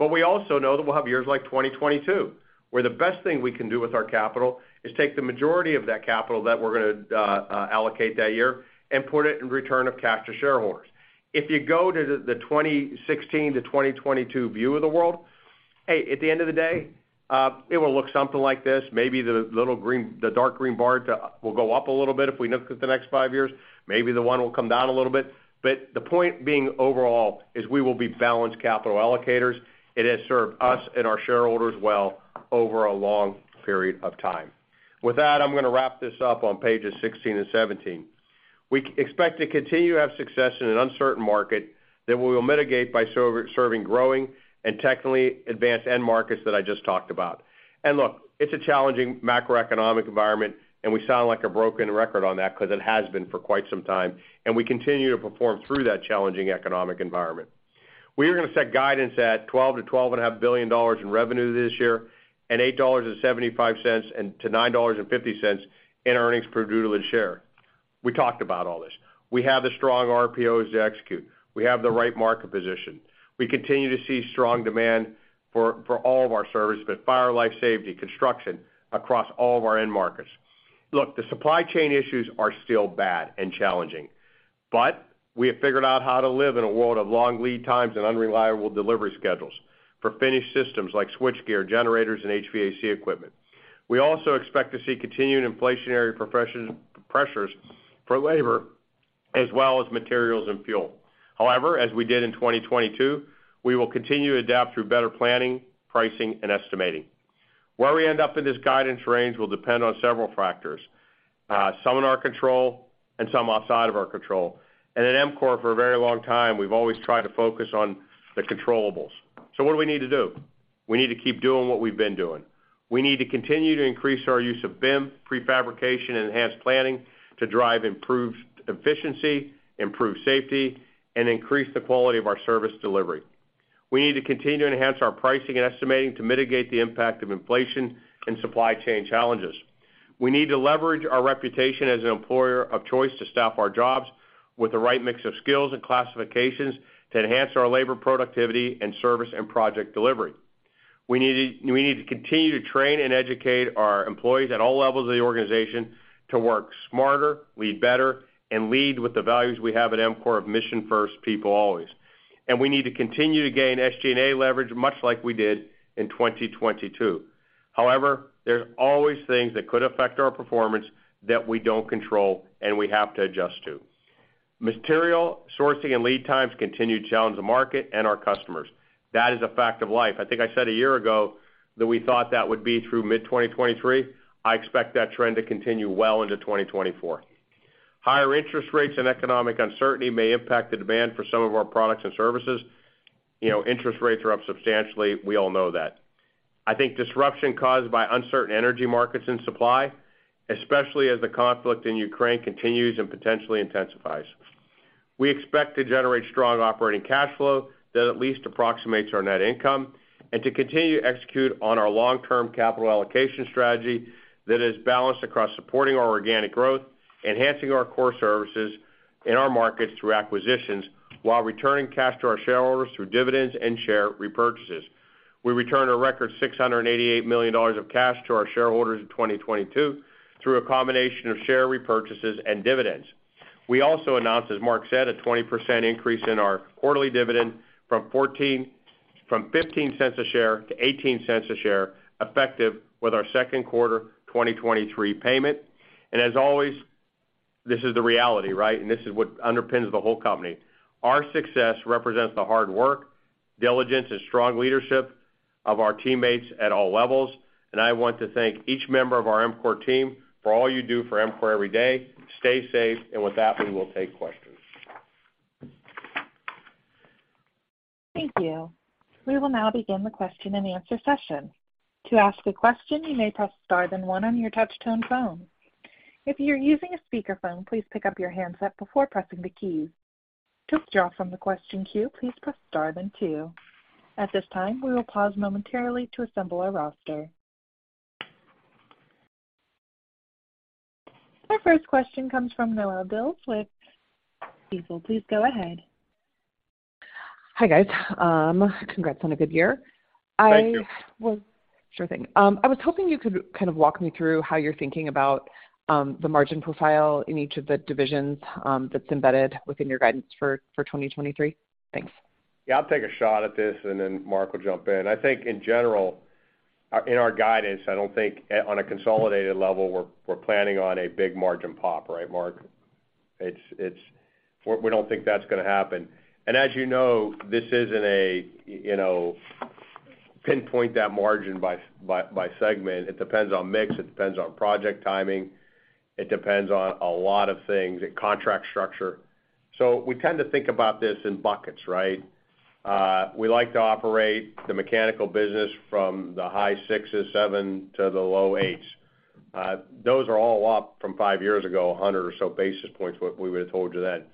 We also know that we'll have years like 2022, where the best thing we can do with our capital is take the majority of that capital that we're gonna allocate that year and put it in return of cash to shareholders. If you go to the 2016 to 2022 view of the world, hey, at the end of the day, it will look something like this. Maybe the little green, the dark green bar will go up a little bit if we look at the next five years. Maybe the one will come down a little bit. The point being overall is we will be balanced capital allocators. It has served us and our shareholders well over a long period of time. With that, I'm going to wrap this up on pages 16 and 17. We expect to continue to have success in an uncertain market that we will mitigate by serving growing and technically advanced end markets that I just talked about. Look, it's a challenging macroeconomic environment, and we sound like a broken record on that because it has been for quite some time, and we continue to perform through that challenging economic environment. We are going to set guidance at $12 billion-$12.5 billion in revenue this year and $8.75-$9.50 in diluted earnings per share. We talked about all this. We have the strong RPOs to execute. We have the right market position. We continue to see strong demand for all of our services, but fire, life safety, construction across all of our end markets. Look, the supply chain issues are still bad and challenging, but we have figured out how to live in a world of long lead times and unreliable delivery schedules for finished systems like switchgear, generators, and HVAC equipment. We also expect to see continued inflationary pressures for labor as well as materials and fuel. However, as we did in 2022, we will continue to adapt through better planning, pricing, and estimating. Where we end up in this guidance range will depend on several factors, some in our control and some outside of our control. At EMCOR, for a very long time, we've always tried to focus on the controllables. What do we need to do? We need to keep doing what we've been doing. We need to continue to increase our use of BIM, prefabrication, and enhanced planning to drive improved efficiency, improve safety, and increase the quality of our service delivery. We need to continue to enhance our pricing and estimating to mitigate the impact of inflation and supply chain challenges. We need to leverage our reputation as an employer of choice to staff our jobs with the right mix of skills and classifications to enhance our labor productivity and service and project delivery. We need to continue to train and educate our employees at all levels of the organization to work smarter, lead better, and lead with the values we have at EMCOR of mission first, people always. We need to continue to gain SG&A leverage, much like we did in 2022. However, there are always things that could affect our performance that we don't control and we have to adjust to. Material sourcing and lead times continue to challenge the market and our customers. That is a fact of life. I think I said a year ago that we thought that would be through mid-2023. I expect that trend to continue well into 2024. Higher interest rates and economic uncertainty may impact the demand for some of our products and services. You know, interest rates are up substantially. We all know that. I think disruption caused by uncertain energy markets and supply, especially as the conflict in Ukraine continues and potentially intensifies. We expect to generate strong operating cash flow that at least approximates our net income and to continue to execute on our long-term capital allocation strategy that is balanced across supporting our organic growth, enhancing our core services in our markets through acquisitions while returning cash to our shareholders through dividends and share repurchases. We returned a record $688 million of cash to our shareholders in 2022 through a combination of share repurchases and dividends. We also announced, as Mark said, a 20% increase in our quarterly dividend from $0.15 a share to $0.18 a share, effective with our second quarter 2023 payment. As always, this is the reality, right? This is what underpins the whole company. Our success represents the hard work, diligence, and strong leadership of our teammates at all levels. I want to thank each member of our EMCOR team for all you do for EMCOR every day. Stay safe. With that, we will take questions. Thank you. We will now begin the question-and-answer session. To ask a question, you may press star then one on your touch-tone phone. If you're using a speakerphone, please pick up your handset before pressing the key. To withdraw from the question queue, please press star then two. At this time, we will pause momentarily to assemble our roster. Our first question comes from Noelle Dilts with Stifel. Please go ahead. Hi, guys. congrats on a good year. Thank you. Sure thing. I was hoping you could kind of walk me through how you're thinking about the margin profile in each of the divisions that's embedded within your guidance for 2023. Thanks. Yeah, I'll take a shot at this, and then Mark will jump in. I think in general, in our guidance, I don't think on a consolidated level, we're planning on a big margin pop, right Mark? We don't think that's gonna happen. As you know, this isn't a, you know, pinpoint that margin by segment. It depends on mix. It depends on project timing. It depends on a lot of things, contract structure. We tend to think about this in buckets, right? We like to operate the mechanical business from the high 6s, seven to the low 8s. Those are all up from five years ago, 100 or so basis points what we would have told you then.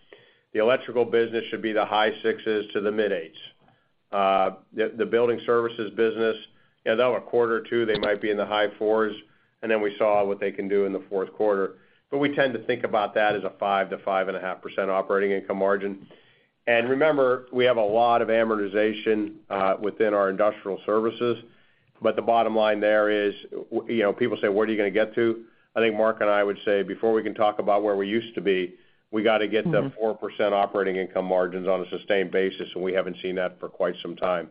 The electrical business should be the high 6s to the mid 8s. The building services business, you know, a quarter or two, they might be in the high fours, and then we saw what they can do in the fourth quarter. We tend to think about that as a 5%-5.5% operating income margin. Remember, we have a lot of amortization within our Industrial Services. The bottom line there is, you know, people say, "Where are you going to get to?" I think Mark and I would say, before we can talk about where we used to be, we got to get the 4% operating income margins on a sustained basis, and we haven't seen that for quite some time.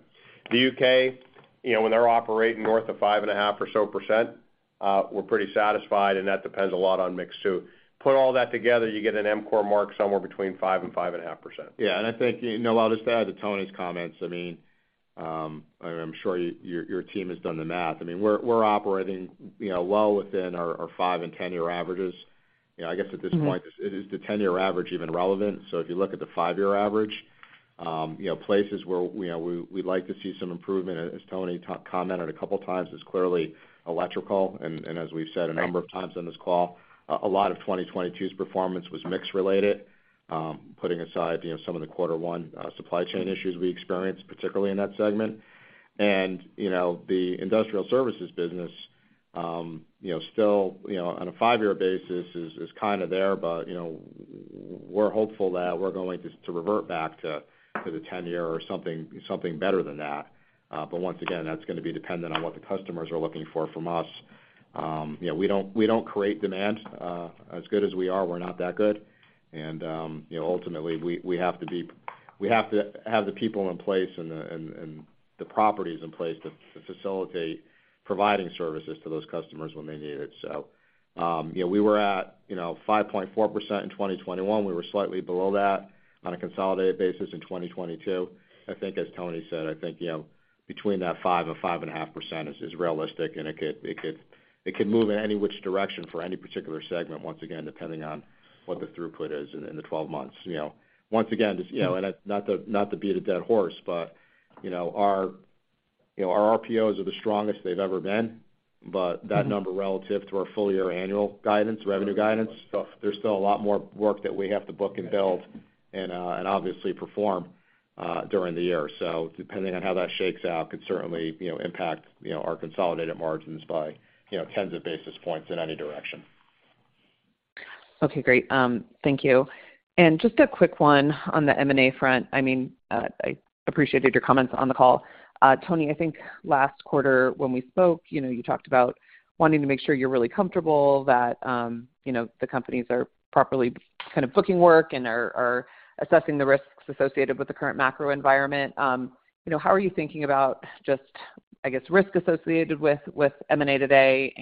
The U.K., you know, when they're operating north of 5.5% or so, we're pretty satisfied, and that depends a lot on mix too. Put all that together, you get an EMCOR mark somewhere between 5%-5.5%. Yeah, I think, Noelle, I'll just add to Tony's comments. I mean, I'm sure your team has done the math. I mean, we're operating, you know, well within our five and 10-year averages. You know, I guess at this point, is the 10-year average even relevant? If you look at the five-year average You know, places where, you know, we'd like to see some improvement, as Tony commented a couple of times, is clearly electrical. As we've said a number of times on this call, a lot of 2022's performance was mix related, putting aside, you know, some of the quarter one supply chain issues we experienced, particularly in that segment. You know, the industrial services business, you know, still, you know, on a five-year basis is kind of there. You know, we're hopeful that we're going to revert back to the 10-year or something better than that. Once again, that's gonna be dependent on what the customers are looking for from us. You know, we don't create demand. As good as we are, we're not that good. you know, ultimately, we have to have the people in place and the properties in place to facilitate providing services to those customers when they need it. you know, we were at, you know, 5.4% in 2021. We were slightly below that on a consolidated basis in 2022. I think as Tony said, I think, you know, between that 5% and 5.5% is realistic, and it could move in any which direction for any particular segment, once again, depending on what the throughput is in the 12 months. You know, once again, just, you know, and not to beat a dead horse, but, you know, our RPOs are the strongest they've ever been. That number relative to our full-year annual guidance, revenue guidance, there's still a lot more work that we have to book and build and obviously perform during the year. Depending on how that shakes out, could certainly, you know, impact, you know, our consolidated margins by, you know, tens of basis points in any direction. Okay, great. Thank you. Just a quick one on the M&A front. I mean, I appreciated your comments on the call. Tony, I think last quarter when we spoke, you know, you talked about wanting to make sure you're really comfortable that, you know, the companies are properly kind of booking work and are assessing the risks associated with the current macro environment. You know, how are you thinking about just, I guess, risk associated with M&A today?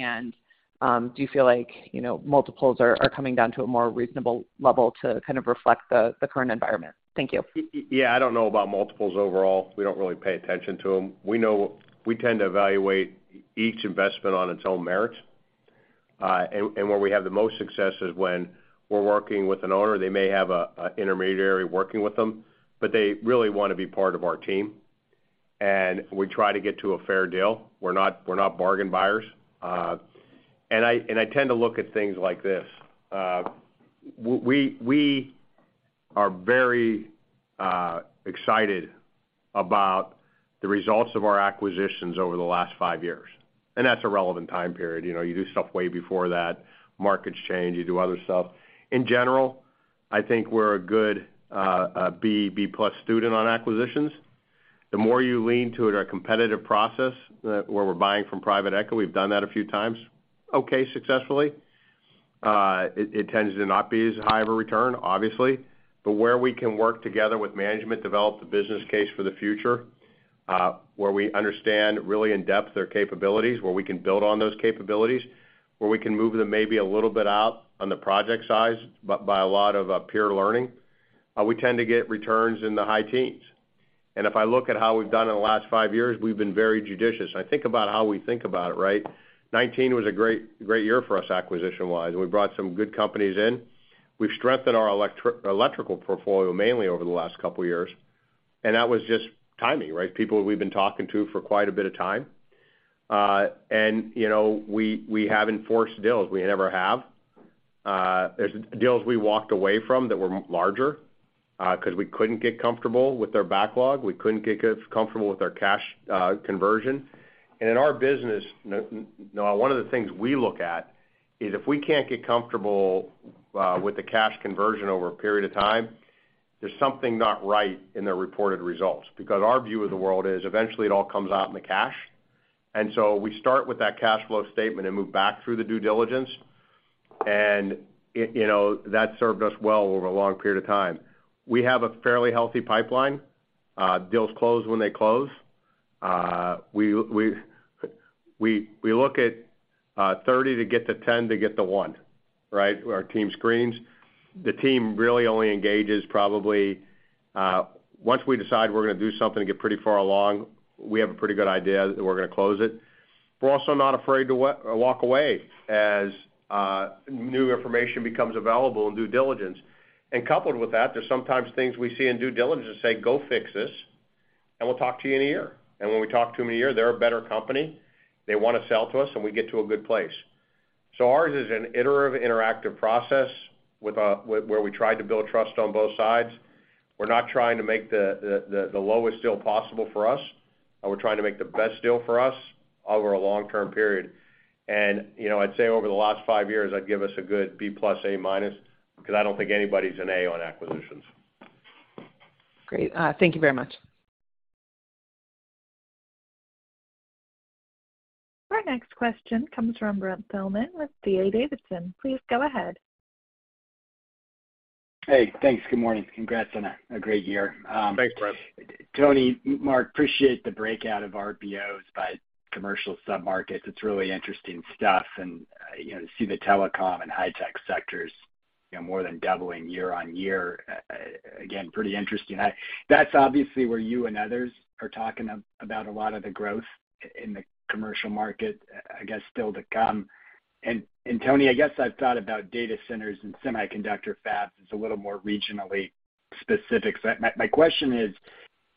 Do you feel like, you know, multiples are coming down to a more reasonable level to kind of reflect the current environment? Thank you. Yeah, I don't know about multiples overall. We don't really pay attention to them. We tend to evaluate each investment on its own merits. Where we have the most success is when we're working with an owner, they may have a intermediary working with them, but they really wanna be part of our team, and we try to get to a fair deal. We're not, we're not bargain buyers. I tend to look at things like this. We are very excited about the results of our acquisitions over the last five years, and that's a relevant time period. You know, you do stuff way before that, markets change, you do other stuff. In general, I think we're a good B-plus student on acquisitions. The more you lean to a competitive process where we're buying from private equity, we've done that a few times, okay, successfully. It tends to not be as high of a return, obviously. Where we can work together with management, develop the business case for the future, where we understand really in depth their capabilities, where we can build on those capabilities, where we can move them maybe a little bit out on the project size by a lot of peer learning, we tend to get returns in the high teens. If I look at how we've done in the last five years, we've been very judicious. I think about how we think about it, right? 2019 was a great year for us acquisition-wise. We brought some good companies in. We've strengthened our electrical portfolio mainly over the last couple of years. That was just timing, right? People we've been talking to for quite a bit of time. You know, we haven't forced deals. We never have. There's deals we walked away from that were larger because we couldn't get comfortable with their backlog. We couldn't get comfortable with their cash conversion. In our business, Noelle, one of the things we look at is if we can't get comfortable with the cash conversion over a period of time, there's something not right in their reported results. Our view of the world is eventually it all comes out in the cash. We start with that cash flow statement and move back through the due diligence. You know, that served us well over a long period of time. We have a fairly healthy pipeline. Deals close when they close. We look at 30 to get to 10 to get to one, right? Our team screens. The team really only engages probably once we decide we're gonna do something to get pretty far along, we have a pretty good idea that we're gonna close it. We're also not afraid to walk away as new information becomes available in due diligence. Coupled with that, there's sometimes things we see in due diligence that say, "Go fix this, and we'll talk to you in a year." When we talk to them in a year, they're a better company. They wanna sell to us, and we get to a good place. Ours is an iterative, interactive process with where we try to build trust on both sides. We're not trying to make the lowest deal possible for us. We're trying to make the best deal for us over a long-term period. You know, I'd say over the last five years, I'd give us a good B-plus, A-minus because I don't think anybody's an A on acquisitions. Great. Thank you very much. Our next question comes from Brent Thielman with D.A. Davidson. Please go ahead. Hey, thanks. Good morning. Congrats on a great year. Thanks, Brent. Tony, Mark, appreciate the breakout of RPOs by commercial submarkets. It's really interesting stuff. You know, to see the telecom and high-tech sectors, you know, more than doubling year on year, again, pretty interesting. That's obviously where you and others are talking about a lot of the growth in the commercial market, I guess, still to come. Tony, I guess I've thought about data centers and semiconductor fabs as a little more regionally specific. My question is.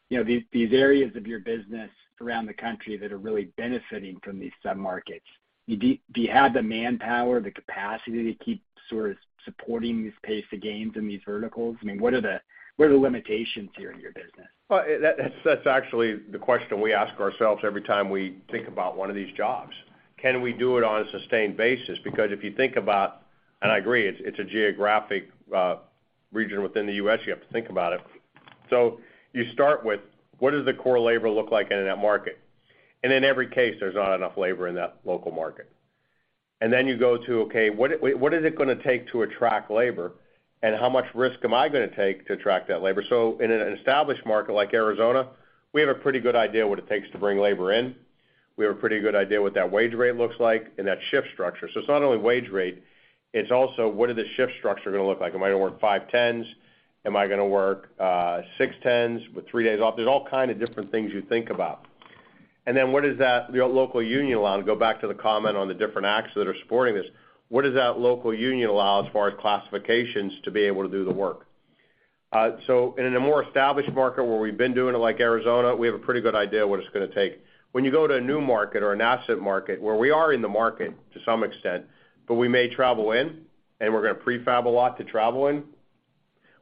You know, these areas of your business around the country that are really benefiting from these submarkets, do you have the manpower, the capacity to keep sort of supporting this pace of gains in these verticals? I mean, what are the limitations here in your business? Well, that's actually the question we ask ourselves every time we think about one of these jobs. Can we do it on a sustained basis? If you think about, and I agree, it's a geographic region within the U.S., you have to think about it. You start with what does the core labor look like in that market? In every case, there's not enough labor in that local market. Then you go to, okay, what is it gonna take to attract labor, and how much risk am I gonna take to attract that labor? In an established market like Arizona, we have a pretty good idea what it takes to bring labor in. We have a pretty good idea what that wage rate looks like and that shift structure. It's not only wage rate, it's also what are the shift structure gonna look like? Am I gonna work five tens? Am I gonna work, six tens with three days off? There's all kind of different things you think about. What does that, the local union allow? To go back to the comment on the different acts that are supporting this, what does that local union allow as far as classifications to be able to do the work? In a more established market where we've been doing it like Arizona, we have a pretty good idea what it's gonna take. When you go to a new market or an asset market where we are in the market to some extent, but we may travel in and we're gonna pre-fab a lot to travel in,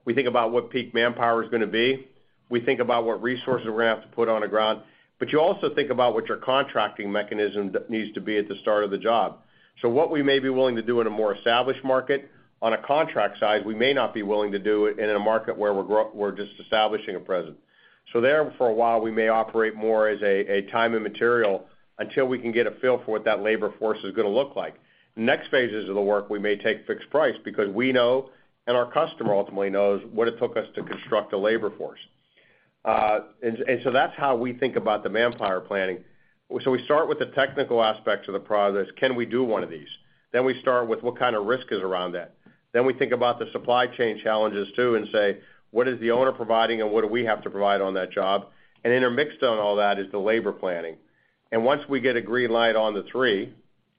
we think about what peak manpower is gonna be. We think about what resources we're gonna have to put on the ground. You also think about what your contracting mechanism that needs to be at the start of the job. What we may be willing to do in a more established market, on a contract side, we may not be willing to do it in a market where we're just establishing a presence. There, for a while, we may operate more as a time and material until we can get a feel for what that labor force is gonna look like. Next phases of the work, we may take fixed price because we know and our customer ultimately knows what it took us to construct a labor force. That's how we think about the manpower planning. We start with the technical aspects of the projects. Can we do one of these? We start with what kind of risk is around that. We think about the supply chain challenges too, and say, "What is the owner providing and what do we have to provide on that job?" Intermixed on all that is the labor planning. Once we get a green light on the three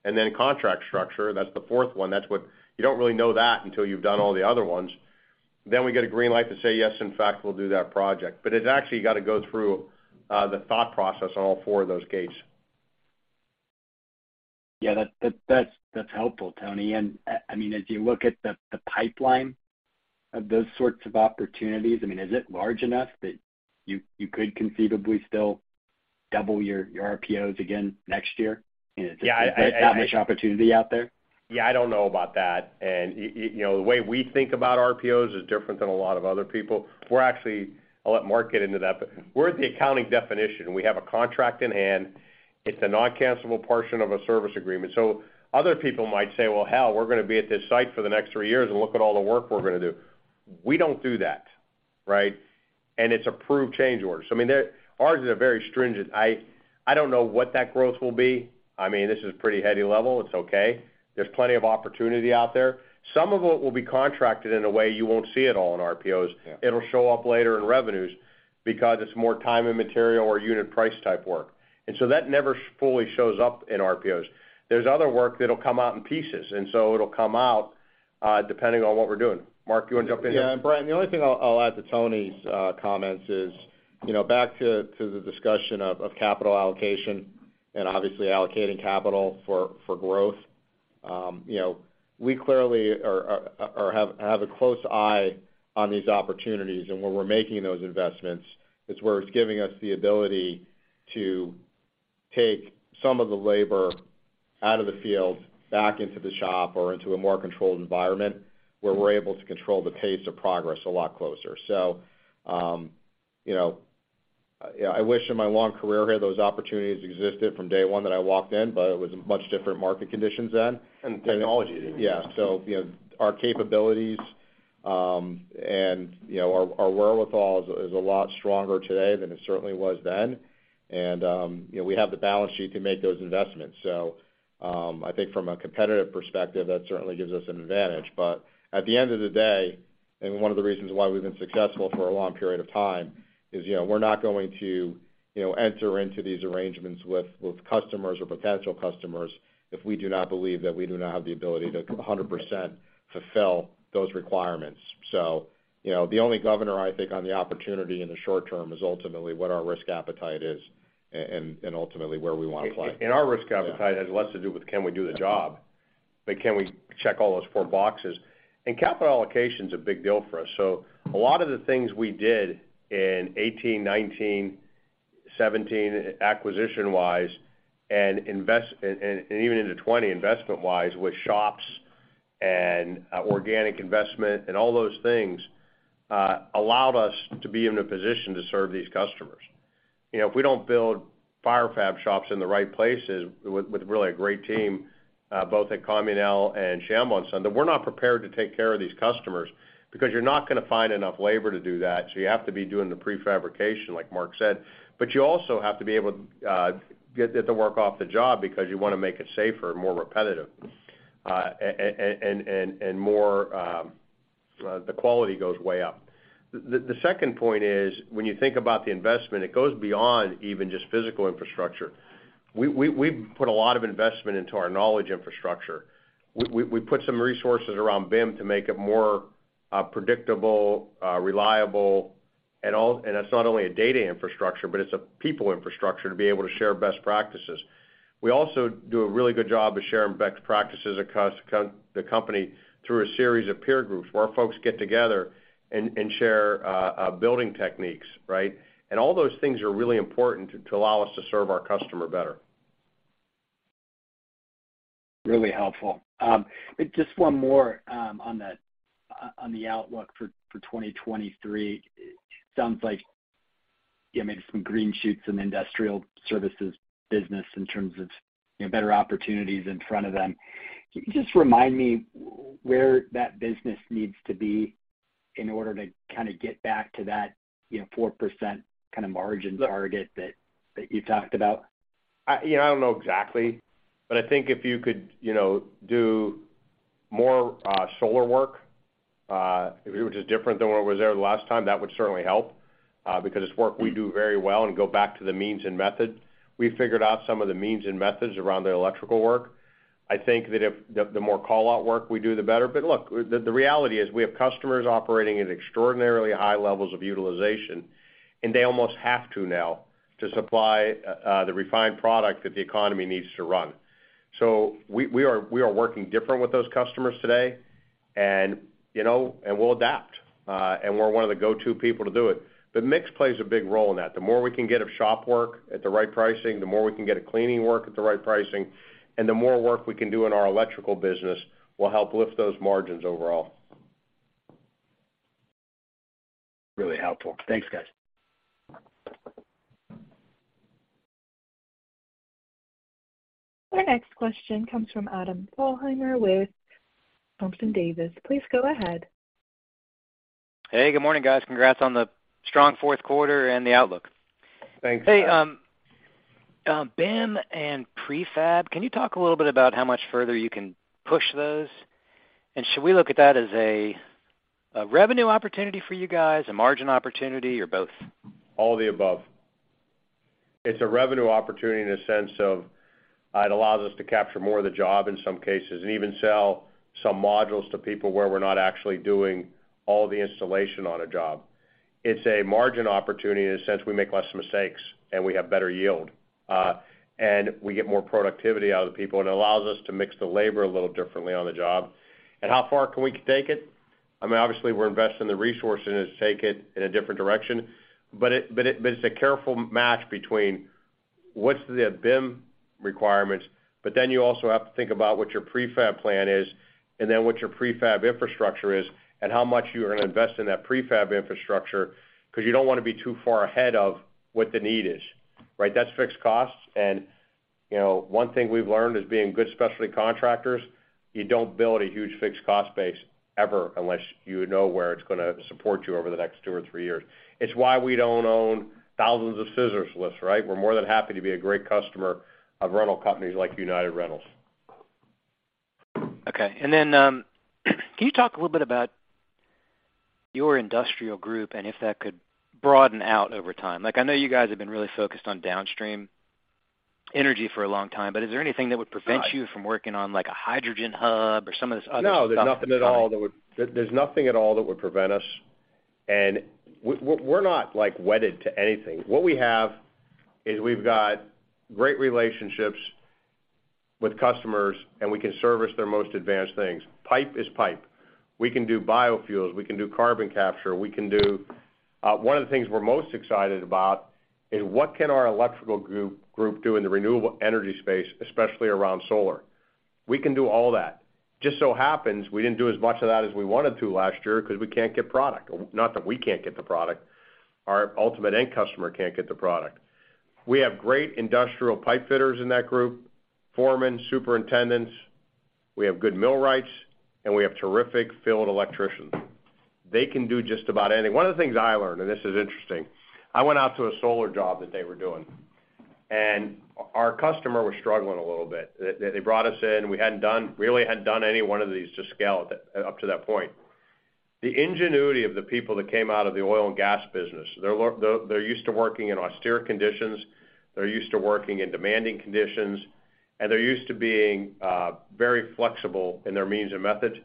and then contract structure, that's the fourth one. You don't really know that until you've done all the other ones. We get a green light to say, "Yes, in fact, we'll do that project." It's actually got to go through the thought process on all four of those gates. Yeah, that's helpful, Tony. I mean, as you look at the pipeline of those sorts of opportunities, I mean, is it large enough that you could conceivably still double your RPOs again next year? I mean, is there that much opportunity out there? Yeah, I don't know about that. You know, the way we think about RPOs is different than a lot of other people. We're actually, I'll let Mark get into that, but we're at the accounting definition. We have a contract in hand. It's a non-cancellable portion of a service agreement. Other people might say, "Well, hell, we're gonna be at this site for the next three years and look at all the work we're gonna do." We don't do that, right? It's approved change orders. I mean, ours is a very stringent. I don't know what that growth will be. I mean, this is pretty heady level. It's okay. There's plenty of opportunity out there. Some of it will be contracted in a way you won't see it all in RPOs. Yeah. It'll show up later in revenues because it's more time and material or unit price type work. That never fully shows up in RPOs. There's other work that'll come out in pieces, and so it'll come out, depending on what we're doing. Mark, you wanna jump in here? Yeah. Brent Thielman, the only thing I'll add to Tony's comments is, you know, back to the discussion of capital allocation and obviously allocating capital for growth, you know, we clearly are, have a close eye on these opportunities and where we're making those investments. It's where it's giving us the ability to take some of the labor out of the field back into the shop or into a more controlled environment where we're able to control the pace of progress a lot closer. You know, I wish in my long career here, those opportunities existed from day one that I walked in, it was much different market conditions then. Technology, didn't it? Yeah. You know, our capabilities, and, you know, our wherewithal is a lot stronger today than it certainly was then. You know, we have the balance sheet to make those investments. I think from a competitive perspective, that certainly gives us an advantage. At the end of the day, and one of the reasons why we've been successful for a long period of time is, you know, we're not going to, you know, enter into these arrangements with customers or potential customers if we do not believe that we do not have the ability to 100% fulfill those requirements. You know, the only governor, I think, on the opportunity in the short term is ultimately what our risk appetite is and ultimately where we wanna play. Our risk appetite has less to do with can we do the job, but can we check all those four boxes? Capital allocation's a big deal for us. A lot of the things we did in 2018, 2019, 2017 acquisition-wise and even into 2020 investment-wise with shops and organic investment and all those things, allowed us to be in a position to serve these customers. You know, if we don't build fire fab shops in the right places with really a great team, both at Communale and Shambaugh, we're not prepared to take care of these customers because you're not gonna find enough labor to do that. You have to be doing the pre-fabrication, like Mark said. You also have to be able to get the work off the job because you want to make it safer and more repetitive, and more, the quality goes way up. The second point is, when you think about the investment, it goes beyond even just physical infrastructure. We've put a lot of investment into our knowledge infrastructure. We put some resources around BIM to make it more predictable, reliable, and it's not only a data infrastructure, but it's a people infrastructure to be able to share best practices. We also do a really good job of sharing best practices across the company through a series of peer groups where our folks get together and share building techniques, right? All those things are really important to allow us to serve our customer better. Really helpful. Just one more on that, on the outlook for 2023. Sounds like you may have some green shoots in the industrial services business in terms of, you know, better opportunities in front of them. Can you just remind me where that business needs to be in order to kinda get back to that, you know, 4% kinda margin target that you talked about? I, you know, I don't know exactly. I think if you could, you know, do more solar work, if it was just different than what was there the last time, that would certainly help, because it's work we do very well and go back to the means and method. We figured out some of the means and methods around the electrical work. I think that if the more call-out work we do, the better. Look, the reality is we have customers operating at extraordinarily high levels of utilization, and they almost have to now to supply the refined product that the economy needs to run. We are working different with those customers today and, you know, and we'll adapt, and we're one of the go-to people to do it. The mix plays a big role in that. The more we can get of shop work at the right pricing, the more we can get a cleaning work at the right pricing, and the more work we can do in our electrical business will help lift those margins overall. Really helpful. Thanks, guys. Our next question comes from Adam Thalhimer with Thompson Davis. Please go ahead. Hey, good morning, guys. Congrats on the strong fourth quarter and the outlook. Thanks. Hey, BIM and Prefab, can you talk a little bit about how much further you can push those? Should we look at that as a revenue opportunity for you guys, a margin opportunity, or both? All the above. It's a revenue opportunity in the sense of it allows us to capture more of the job in some cases and even sell some modules to people where we're not actually doing all the installation on a job. It's a margin opportunity in the sense we make less mistakes, and we have better yield, and we get more productivity out of the people, and it allows us to mix the labor a little differently on the job. How far can we take it? I mean, obviously, we're investing the resources to take it in a different direction. It's a careful match between what's the BIM requirements, but then you also have to think about what your prefab plan is and then what your prefab infrastructure is and how much you're gonna invest in that prefab infrastructure 'cause you don't wanna be too far ahead of what the need is, right? That's fixed costs. You know, one thing we've learned is being good specialty contractors, you don't build a huge fixed cost base ever unless you know where it's gonna support you over the next two or three years. It's why we don't own thousands of scissors lifts, right? We're more than happy to be a great customer of rental companies like United Rentals. Okay. Can you talk a little bit about your industrial group and if that could broaden out over time? Like, I know you guys have been really focused on downstream energy for a long time, but is there anything that would prevent you from working on, like, a hydrogen hub or some of this other stuff that's coming? No, there's nothing at all that would prevent us. We're not, like, wedded to anything. What we have is we've got great relationships with customers, and we can service their most advanced things. Pipe is pipe. We can do biofuels. We can do carbon capture. We can do. One of the things we're most excited about is what can our electrical group do in the renewable energy space, especially around solar. We can do all that. Just so happens we didn't do as much of that as we wanted to last year because we can't get product. Not that we can't get the product. Our ultimate end customer can't get the product. We have great industrial pipefitters in that group, foremen, superintendents. We have good millwrights, and we have terrific field electricians. They can do just about any. One of the things I learned, and this is interesting, I went out to a solar job that they were doing, and our customer was struggling a little bit. They brought us in. really hadn't done any one of these to scale up to that point. The ingenuity of the people that came out of the oil and gas business, they're used to working in austere conditions, they're used to working in demanding conditions, and they're used to being very flexible in their means and methods.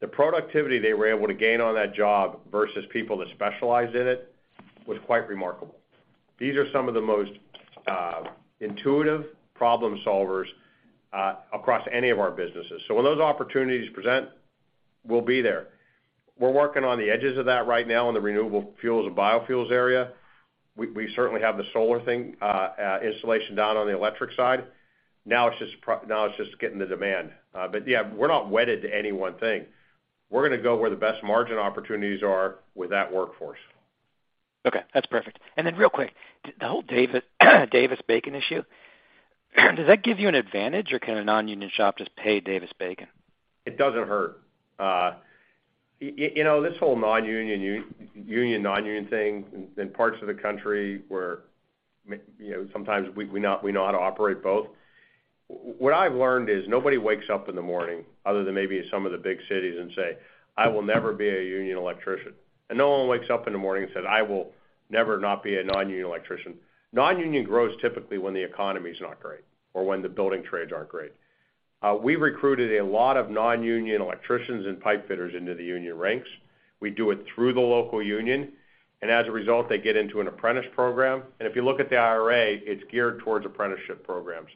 The productivity they were able to gain on that job versus people that specialized in it was quite remarkable. These are some of the most intuitive problem solvers across any of our businesses. When those opportunities present, we'll be there. We're working on the edges of that right now in the renewable fuels and biofuels area. We certainly have the solar thing installation down on the electric side. Now it's just getting the demand. Yeah, we're not wedded to any one thing. We're gonna go where the best margin opportunities are with that workforce. Okay, that's perfect. Then real quick, the whole Davis-Bacon issue, does that give you an advantage, or can a non-union shop just pay Davis-Bacon? It doesn't hurt. You know, this whole non-union, union, non-union thing in parts of the country where you know, sometimes we know how to operate both. What I've learned is nobody wakes up in the morning, other than maybe some of the big cities, and say, "I will never be a union electrician." No one wakes up in the morning and says, "I will never not be a non-union electrician." Non-union grows typically when the economy's not great or when the building trades aren't great. We recruited a lot of non-union electricians and pipefitters into the union ranks. We do it through the local union, and as a result, they get into an apprentice program. If you look at the IRA, it's geared towards apprenticeship programs.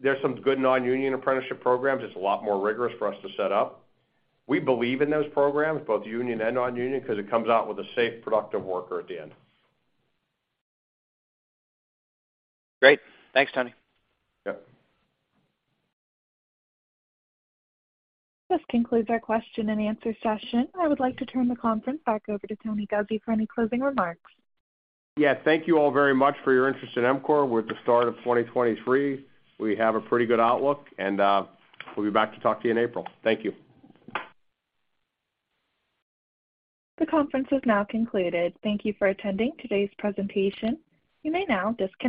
There's some good non-union apprenticeship programs. It's a lot more rigorous for us to set up. We believe in those programs, both union and non-union, 'cause it comes out with a safe, productive worker at the end. Great. Thanks, Tony. Yep. This concludes our question and answer session. I would like to turn the conference back over to Tony Guzzi for any closing remarks. Yeah. Thank you all very much for your interest in EMCOR. We're at the start of 2023. We have a pretty good outlook, and we'll be back to talk to you in April. Thank you. The conference is now concluded. Thank you for attending today's presentation. You may now disconnect.